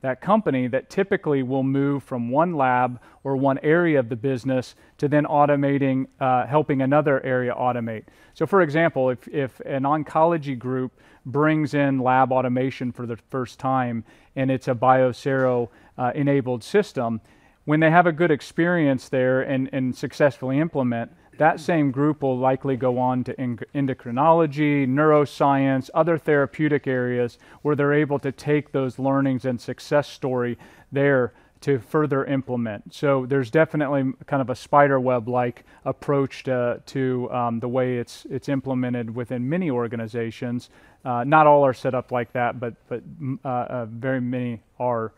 that company that typically will move from one lab or one area of the business to then automating, helping another area automate. For example, if an oncology group brings in lab automation for the first time and it's a Biosero enabled system, when they have a good experience there and successfully implement, that same group will likely go on to endocrinology, neuroscience, other therapeutic areas where they're able to take those learnings and success story there to further implement. There's definitely kind of a spiderweb-like approach to the way it's implemented within many organizations. Not all are set up like that, but very many are.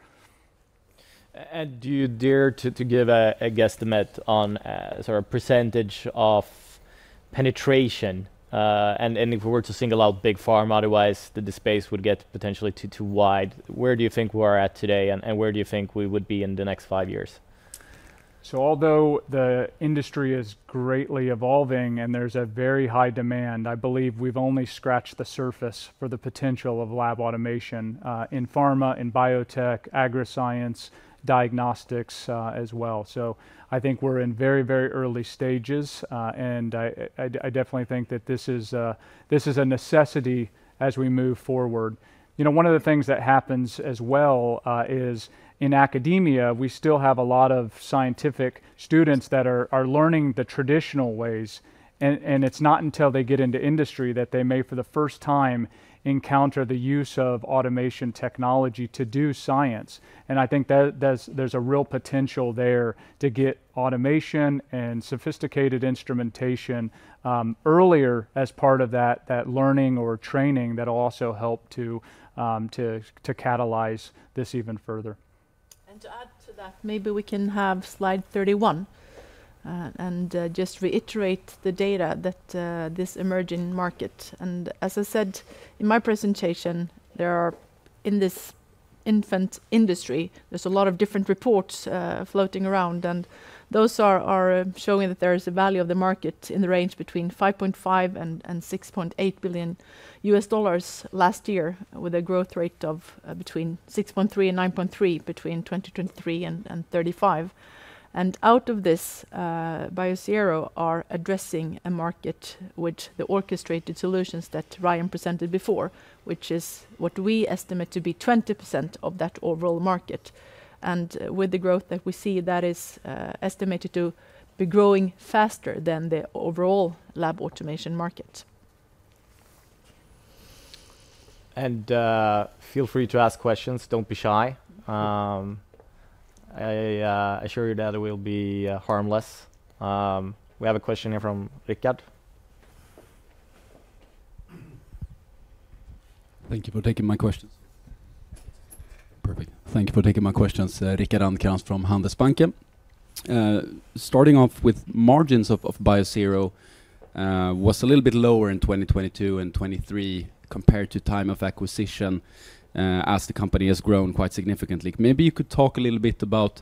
And do you dare to give a guesstimate on sort of percentage of penetration? And if we were to single out big pharma, otherwise the space would get potentially too wide. Where do you think we're at today, and where do you think we would be in the next five years? Although the industry is greatly evolving and there's a very high demand, I believe we've only scratched the surface for the potential of Lab Automation in pharma, in biotech, agriscience, diagnostics, as well. I think we're in very, very early stages, and I definitely think that this is a necessity as we move forward. You know, one of the things that happens as well is in academia, we still have a lot of scientific students that are learning the traditional ways, and it's not until they get into industry that they may, for the first time, encounter the use of automation technology to do science, and I think that there's a real potential there to get automation and sophisticated instrumentation earlier as part of that learning or training that'll also help to catalyze this even further. And to add to that, maybe we can have Slide 31, and just reiterate the data that this emerging market. And as I said in my presentation, there are in this infant industry, there's a lot of different reports floating around, and those are showing that there is a value of the market in the range between $5.5 billion and $6.8 billion last year, with a growth rate of between 6.3% and 9.3%, between 2023 and 2035. And out of this, Biosero are addressing a market which the orchestrated solutions that Ryan presented before, which is what we estimate to be 20% of that overall market, and with the growth that we see, that is estimated to be growing faster than the overall Lab Automation market. And, feel free to ask questions. Don't be shy. I assure you that it will be harmless. We have a question here from Rickard. Thank you for taking my questions. Perfect. Thank you for taking my questions. Rickard Anderkrans from Handelsbanken. Starting off with margins of Biosero, was a little bit lower in 2022 and 2023 compared to time of acquisition, as the company has grown quite significantly. Maybe you could talk a little bit about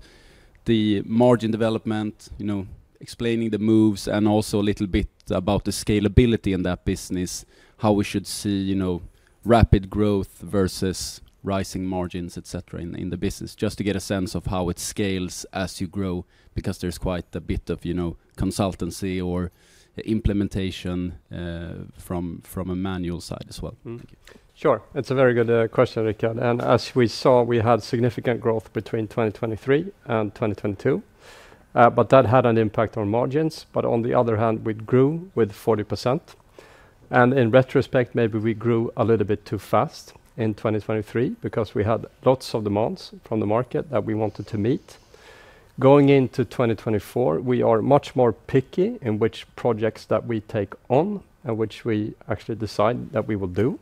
the margin development, you know, explaining the moves, and also a little bit about the scalability in that business, how we should see, you know, rapid growth versus rising margins, et cetera, in the business, just to get a sense of how it scales as you grow, because there's quite a bit of, you know, consultancy or implementation from a manual side as well. Mm. Thank you. Sure. It's a very good question, Rickard, and as we saw, we had significant growth between 2023 and 2022, but that had an impact on margins, but on the other hand, we grew with 40%, and in retrospect, maybe we grew a little bit too fast in 2023 because we had lots of demands from the market that we wanted to meet. Going into 2024, we are much more picky in which projects that we take on and which we actually decide that we will do,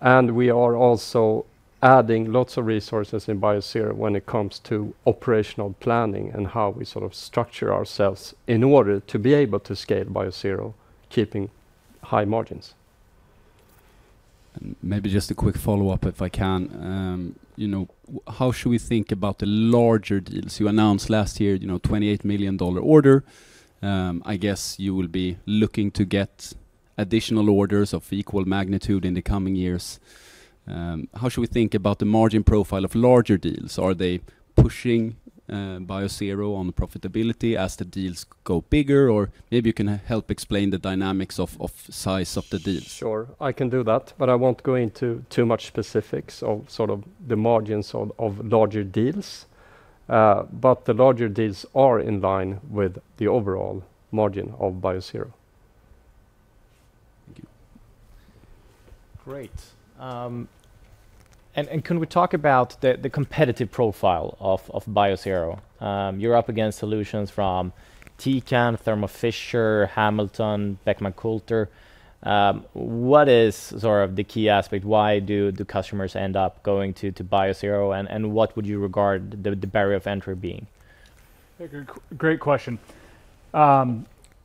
and we are also adding lots of resources in Biosero when it comes to operational planning and how we sort of structure ourselves in order to be able to scale Biosero, keeping high margins. Maybe just a quick follow-up, if I can. You know, how should we think about the larger deals? You announced last year, you know, $28 million order. I guess you will be looking to get additional orders of equal magnitude in the coming years. How should we think about the margin profile of larger deals? Are they pushing Biosero on profitability as the deals go bigger? Or maybe you can help explain the dynamics of the size of the deals. Sure, I can do that, but I won't go into too much specifics of sort of the margins of larger deals. But the larger deals are in line with the overall margin of Biosero. Thank you. Great. And can we talk about the competitive profile of Biosero? You're up against solutions from Tecan, Thermo Fisher, Hamilton, Beckman Coulter. What is sort of the key aspect? Why do the customers end up going to Biosero, and what would you regard the barrier of entry being? Hey, good. Great question.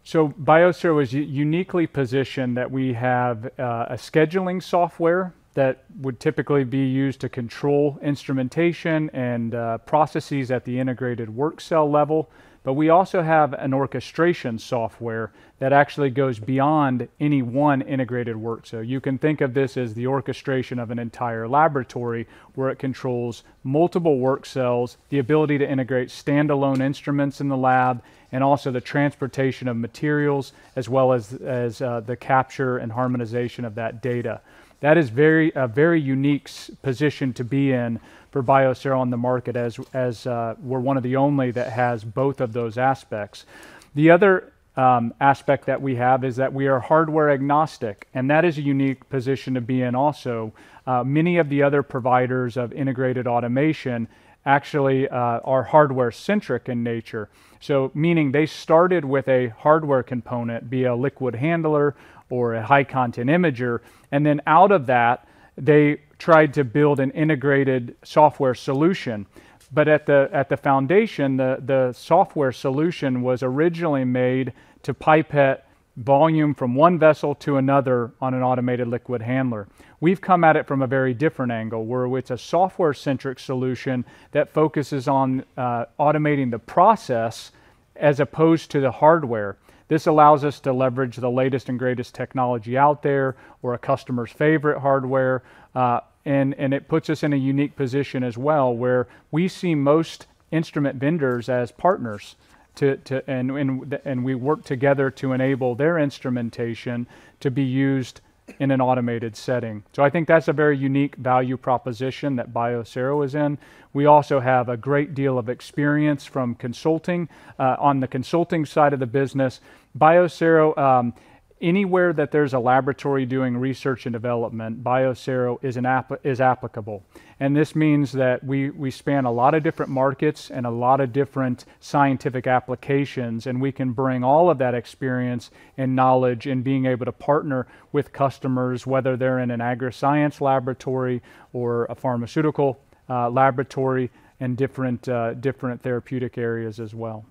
So Biosero is uniquely positioned that we have a scheduling software that would typically be used to control instrumentation and processes at the integrated work cell level, but we also have an orchestration software that actually goes beyond any one integrated work cell. You can think of this as the orchestration of an entire laboratory, where it controls multiple work cells, the ability to integrate standalone instruments in the lab, and also the transportation of materials, as well as the capture and harmonization of that data. That is very, a very unique position to be in for Biosero on the market, as we're one of the only that has both of those aspects. The other aspect that we have is that we are hardware-agnostic, and that is a unique position to be in also. Many of the other providers of integrated automation actually are hardware-centric in nature, so meaning they started with a hardware component, be a liquid handler or a high-content imager, and then out of that, they tried to build an integrated software solution. But at the foundation, the software solution was originally made to pipette volume from one vessel to another on an automated liquid handler. We've come at it from a very different angle, where it's a software-centric solution that focuses on automating the process as opposed to the hardware. This allows us to leverage the latest and greatest technology out there or a customer's favorite hardware, and it puts us in a unique position as well, where we see most instrument vendors as partners to and we work together to enable their instrumentation to be used in an automated setting. So I think that's a very unique value proposition that Biosero is in. We also have a great deal of experience from consulting. On the consulting side of the business, Biosero, anywhere that there's a laboratory doing research and development, Biosero is applicable. And this means that we span a lot of different markets and a lot of different scientific applications, and we can bring all of that experience and knowledge in being able to partner with customers, whether they're in an agriscience laboratory or a pharmaceutical laboratory, and different therapeutic areas as well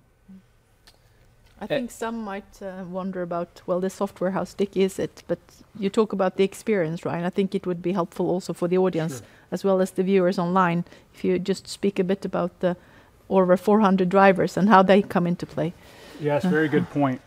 I think some might wonder about, well, this software, how sticky is it? But you talk about the experience, Ryan. I think it would be helpful also for the audience as well as the viewers online, if you just speak a bit about the over four hundred drivers and how they come into play. Yes, very good point.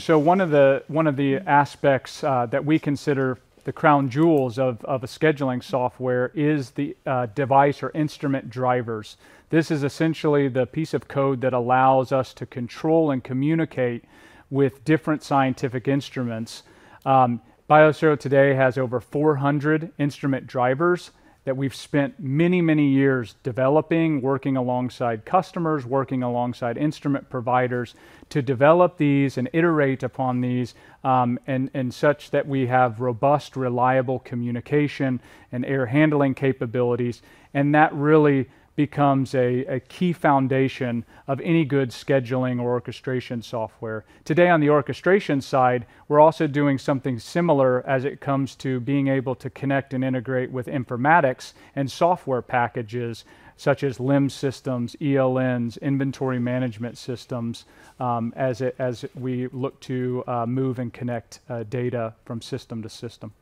So one of the aspects that we consider the crown jewels of a scheduling software is the device or instrument drivers. This is essentially the piece of code that allows us to control and communicate with different scientific instruments. Biosero today has over 400 instrument drivers that we've spent many, many years developing, working alongside customers, working alongside instrument providers, to develop these and iterate upon these, and such that we have robust, reliable communication and error handling capabilities, and that really becomes a key foundation of any good scheduling or orchestration software. Today, on the orchestration side, we're also doing something similar as it comes to being able to connect and integrate with informatics and software packages such as LIMS systems, ELNs, inventory management systems, as it we look to move and connect data from system to system.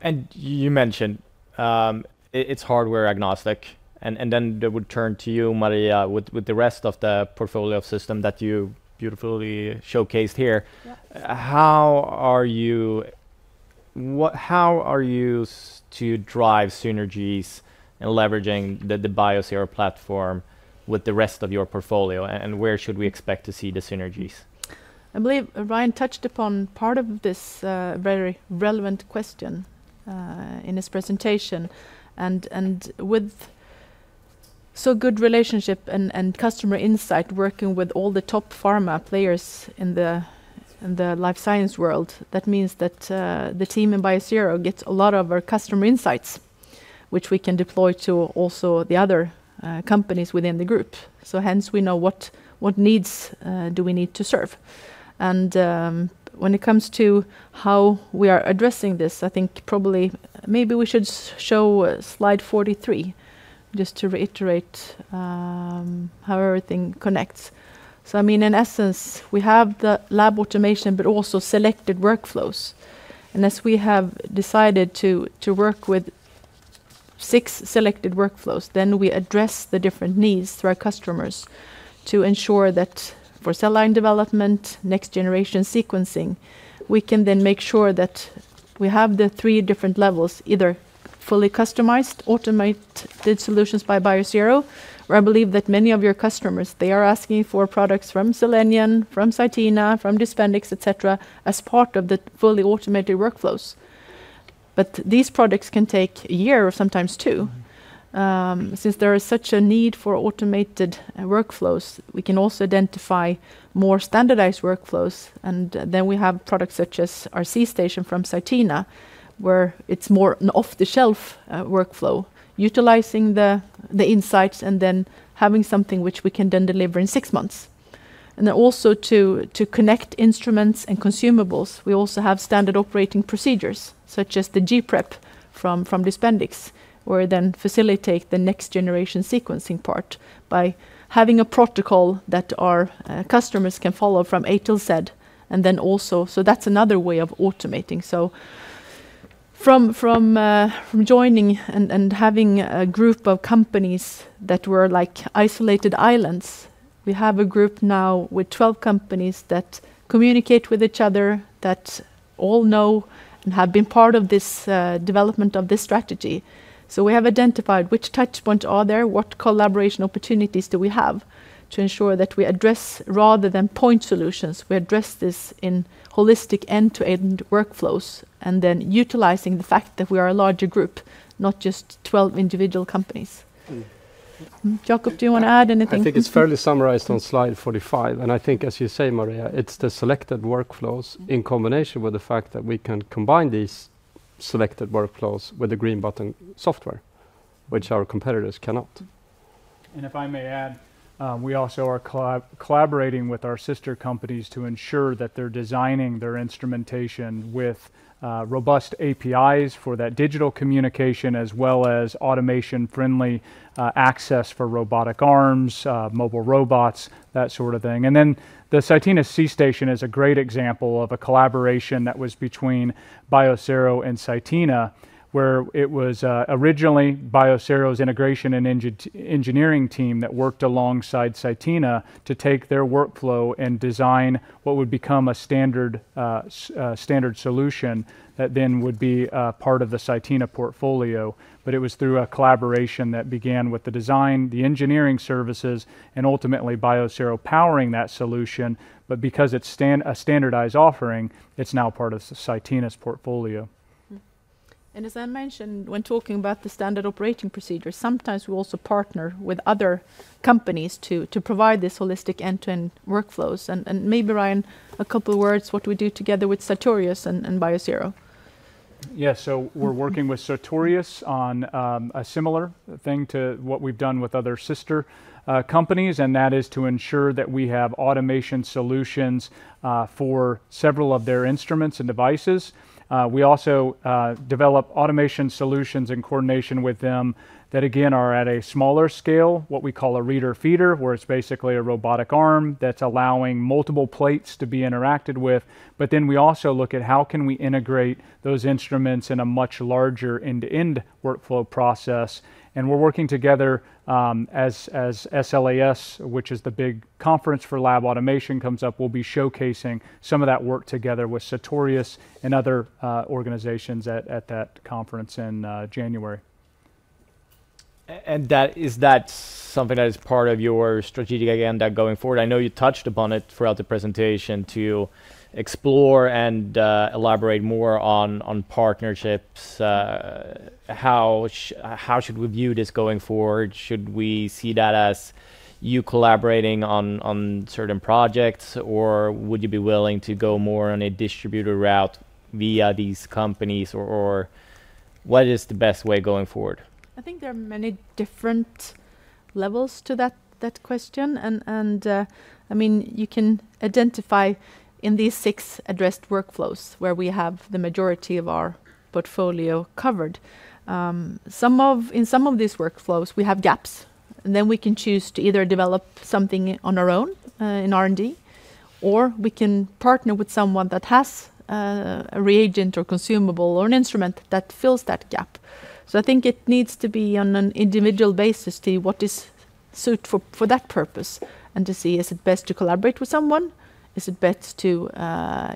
And you mentioned, it's hardware agnostic, and then that would turn to you, Maria, with the rest of the portfolio of system that you beautifully showcased here. How are you to drive synergies and leveraging the Biosero platform with the rest of your portfolio, and where should we expect to see the synergies? I believe Ryan touched upon part of this, very relevant question, in his presentation and with so good relationship and customer insight, working with all the top pharma players in the life science world, that means that the team in Biosero gets a lot of our customer insights, which we can deploy to also the other companies within the group. Hence, we know what needs we need to serve. When it comes to how we are addressing this, I think probably maybe we should show Slide 43, just to reiterate how everything connects. I mean, in essence, we have the Lab Automation but also selected workflows. As we have decided to work with six selected workflows, then we address the different needs through our customers to ensure that for cell line development, next-generation sequencing, we can then make sure that we have the three different levels, either fully customized, automated solutions by Biosero, where I believe that many of your customers, they are asking for products from Cellenion, from CYTENA, from DISPENDIX, et cetera, as part of the fully automated workflows. But these products can take a year or sometimes two. Since there is such a need for automated workflows, we can also identify more standardized workflows, and then we have products such as our C.STATION from CYTENA, where it's more an off-the-shelf workflow, utilizing the insights and then having something which we can then deliver in six months. And then also to connect instruments and consumables, we also have standard operating procedures, such as the G.PREP from DISPENDIX, where we then facilitate the next-generation sequencing part by having a protocol that our customers can follow from A till Z, and then also, so that's another way of automating, so from joining and having a group of companies that were like isolated islands, we have a group now with twelve companies that communicate with each other, that all know and have been part of this development of this strategy, so we have identified which touchpoint are there, what collaboration opportunities do we have, to ensure that we address rather than point solutions, we address this in holistic end-to-end workflows, and then utilizing the fact that we are a larger group, not just twelve individual companies. Jacob, do you want to add anything? I think it's fairly summarized on Slide 45, and I think, as you say, Maria, it's the selected workflows in combination with the fact that we can combine these selected workflows with the Green Button software, which our competitors cannot. And if I may add, we also are collaborating with our sister companies to ensure that they're designing their instrumentation with robust APIs for that digital communication, as well as automation-friendly access for robotic arms, mobile robots, that sort of thing. And then the CYTENA C.STATION is a great example of a collaboration that was between Biosero and CYTENA, where it was originally Biosero's integration and engineering team that worked alongside CYTENA to take their workflow and design what would become a standard solution that then would be part of the CYTENA portfolio. But it was through a collaboration that began with the design, the engineering services, and ultimately, Biosero powering that solution, but because it's a standardized offering, it's now part of CYTENA's portfolio. And as I mentioned, when talking about the standard operating procedure, sometimes we also partner with other companies to provide this holistic end-to-end workflows. And maybe, Ryan, a couple of words what we do together with Sartorius and Biosero. Yeah. So we're working with Sartorius on a similar thing to what we've done with other sister companies, and that is to ensure that we have automation solutions for several of their instruments and devices. We also develop automation solutions in coordination with them that, again, are at a smaller scale, what we call a reader-feeder, where it's basically a robotic arm that's allowing multiple plates to be interacted with. But then we also look at how can we integrate those instruments in a much larger end-to-end workflow process, and we're working together as SLAS, which is the big conference for Lab Automation, comes up. We'll be showcasing some of that work together with Sartorius and other organizations at that conference in January. Is that something that is part of your strategic agenda going forward? I know you touched upon it throughout the presentation to explore and elaborate more on partnerships. How should we view this going forward? Should we see that as you collaborating on certain projects, or would you be willing to go more on a distributor route via these companies? Or what is the best way going forward? I think there are many different levels to that, that question, and, and, I mean, you can identify in these six addressed workflows, where we have the majority of our portfolio covered. Some of in some of these workflows, we have gaps, and then we can choose to either develop something on our own, in R&D, or we can partner with someone that has, a reagent or consumable or an instrument that fills that gap. So I think it needs to be on an individual basis to see what is suited for, for that purpose, and to see is it best to collaborate with someone? Is it best to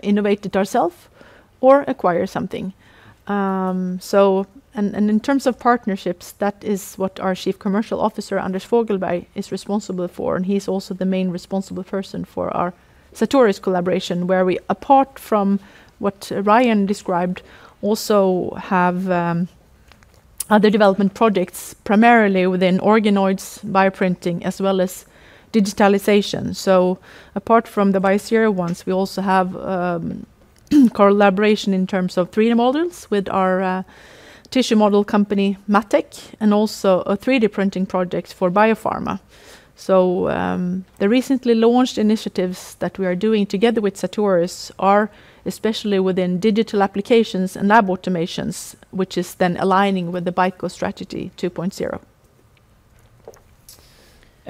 innovate it ourselves or acquire something? In terms of partnerships, that is what our Chief Commercial Officer, Anders Fogelberg, is responsible for, and he's also the main responsible person for our Sartorius collaboration, where we, apart from what Ryan described, also have other development projects, primarily within organoids bioprinting, as well as digitalization. Apart from the Biosero ones, we also have collaboration in terms of 3D models with our tissue model company, MatTek, and also a 3D printing project for biopharma. The recently launched initiatives that we are doing together with Sartorius are especially within digital applications and lab automations, which is then aligning with the BICO strategy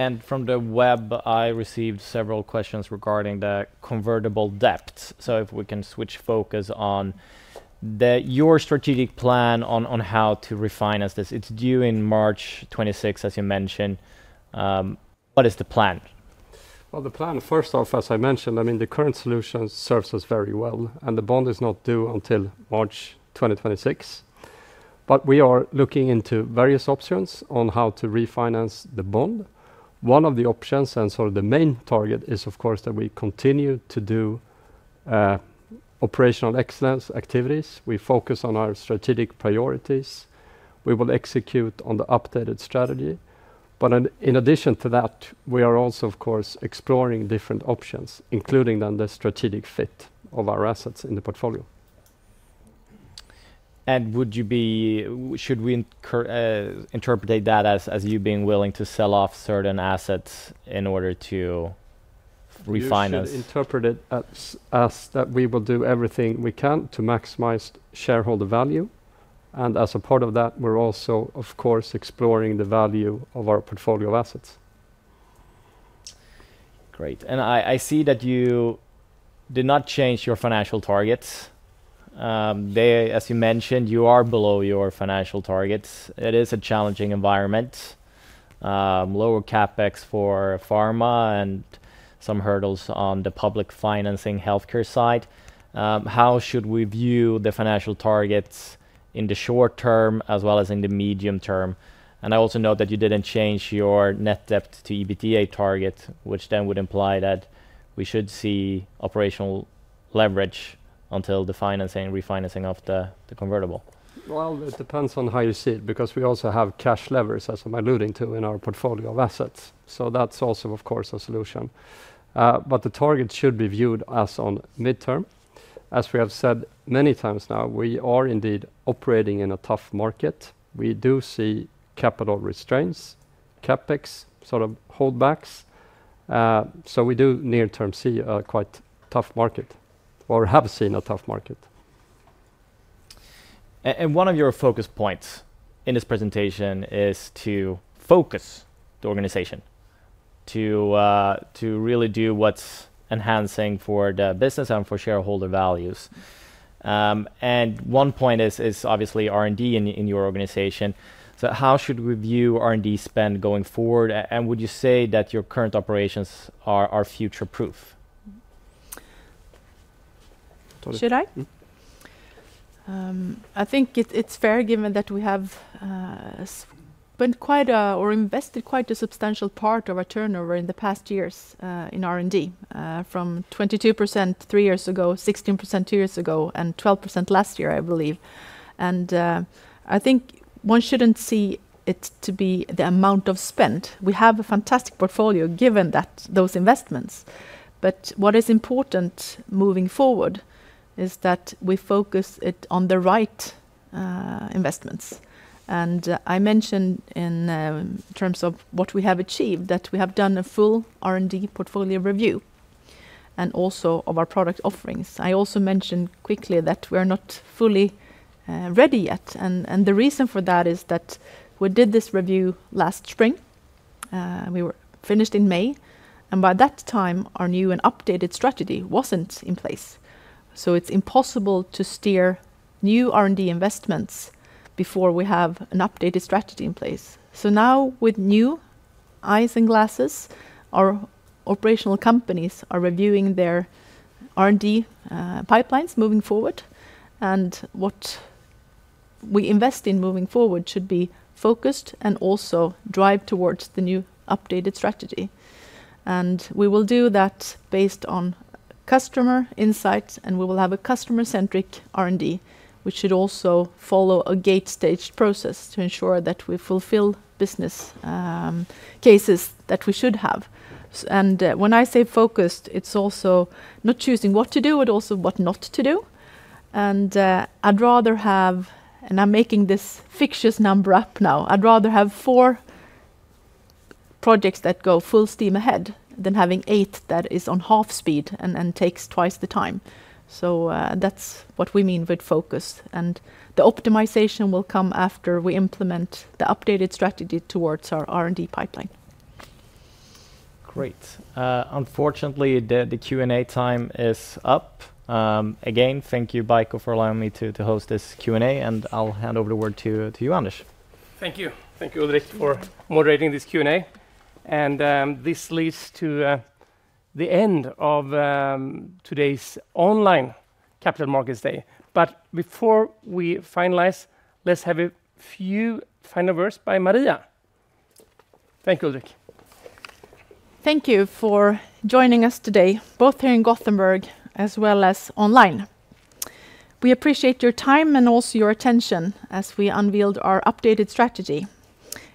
2.0. From the web, I received several questions regarding the convertible debt, so if we can switch focus on your strategic plan on how to refinance this. It's due in March 2026, as you mentioned. What is the plan? The plan, first off, as I mentioned, I mean, the current solution serves us very well, and the bond is not due until March 2026. We are looking into various options on how to refinance the bond. One of the options, and so the main target, is, of course, that we continue to do operational excellence activities. We focus on our strategic priorities. We will execute on the updated strategy. In addition to that, we are also, of course, exploring different options, including then the strategic fit of our assets in the portfolio. Should we interpret that as you being willing to sell off certain assets in order to refinance? You should interpret it as that we will do everything we can to maximize shareholder value, and as a part of that, we're also, of course, exploring the value of our portfolio of assets. Great. And I see that you did not change your financial targets. They, as you mentioned, you are below your financial targets. It is a challenging environment, lower CapEx for pharma and some hurdles on the public financing healthcare side. How should we view the financial targets in the short term as well as in the medium term? And I also note that you didn't change your net debt to EBITDA target, which then would imply that we should see operational leverage until the financing and refinancing of the convertible. Well, it depends on how you see it, because we also have cash levers, as I'm alluding to, in our portfolio of assets. So that's also, of course, a solution. But the target should be viewed as on midterm. As we have said many times now, we are indeed operating in a tough market. We do see capital restraints, CapEx sort of hold backs. So we do near term see a quite tough market or have seen a tough market. And one of your focus points in this presentation is to focus the organization, to really do what's enhancing for the business and for shareholder values. And one point is obviously R&D in your organization. So how should we view R&D spend going forward? And would you say that your current operations are future-proof? Should I? I think it's fair, given that we have spent quite a substantial part of our turnover in the past years in R&D, from 22% three years ago, 16% two years ago, and 12% last year, I believe. I think one shouldn't see it to be the amount of spend. We have a fantastic portfolio, given those investments. What is important moving forward is that we focus it on the right investments. I mentioned in terms of what we have achieved that we have done a full R&D portfolio review and also of our product offerings. I also mentioned quickly that we are not fully ready yet, and the reason for that is that we did this review last spring, and we were finished in May, and by that time, our new and updated strategy wasn't in place, so it's impossible to steer new R&D investments before we have an updated strategy in place, so now, with new eyes and glasses, our operational companies are reviewing their R&D pipelines moving forward, and what we invest in moving forward should be focused and also drive towards the new updated strategy, and we will do that based on customer insights, and we will have a customer-centric R&D, which should also follow a gate-staged process to ensure that we fulfill business cases that we should have. When I say focused, it's also not choosing what to do, but also what not to do. I'd rather have, and I'm making this fictitious number up now. I'd rather have four projects that go full steam ahead than having eight that is on half speed and takes twice the time. That's what we mean with focus, and the optimization will come after we implement the updated strategy towards our R&D pipeline. Great. Unfortunately, the Q&A time is up. Again, thank you, BICO, for allowing me to host this Q&A, and I'll hand over the word to you, Anders. Thank you. Thank you, Ulrik, for moderating this Q&A. And, this leads to the end of today's online Capital Markets Day. But before we finalize, let's have a few final words by Maria. Thank you, Ulrik. Thank you for joining us today, both here in Gothenburg as well as online. We appreciate your time and also your attention as we unveiled our updated strategy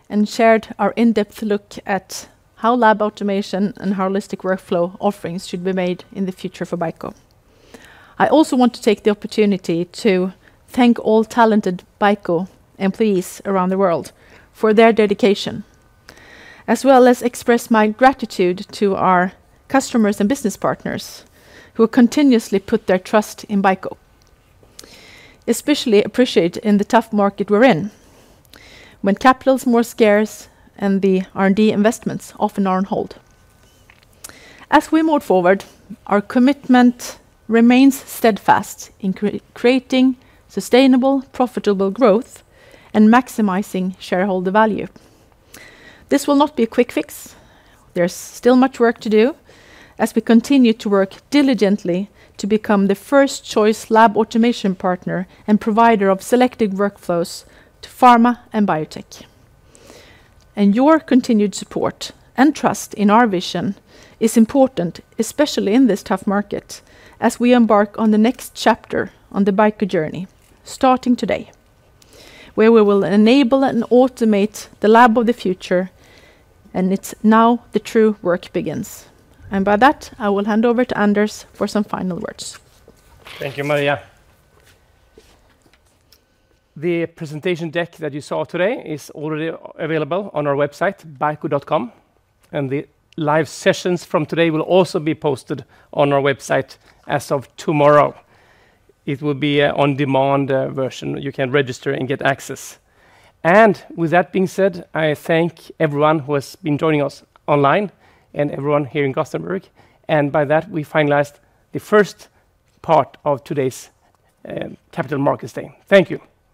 and shared our in-depth look at how Lab Automation and holistic workflow offerings should be made in the future for BICO. I also want to take the opportunity to thank all talented BICO employees around the world for their dedication, as well as express my gratitude to our customers and business partners who continuously put their trust in BICO. Especially appreciate in the tough market we're in, when capital is more scarce and the R&D investments often are on hold. As we move forward, our commitment remains steadfast in creating sustainable, profitable growth and maximizing shareholder value. This will not be a quick fix. There's still much work to do as we continue to work diligently to become the first choice Lab Automation partner and provider of selected workflows to pharma and biotech. And your continued support and trust in our vision is important, especially in this tough market, as we embark on the next chapter on the BICO journey, starting today, where we will enable and automate the lab of the future, and it's now the true work begins. And by that, I will hand over to Anders for some final words. Thank you, Maria. The presentation deck that you saw today is already available on our website, BICO.com, and the live sessions from today will also be posted on our website as of tomorrow. It will be a on-demand version. You can register and get access. And with that being said, I thank everyone who has been joining us online and everyone here in Gothenburg, and by that, we finalized the first part of today's Capital Markets Day. Thank you!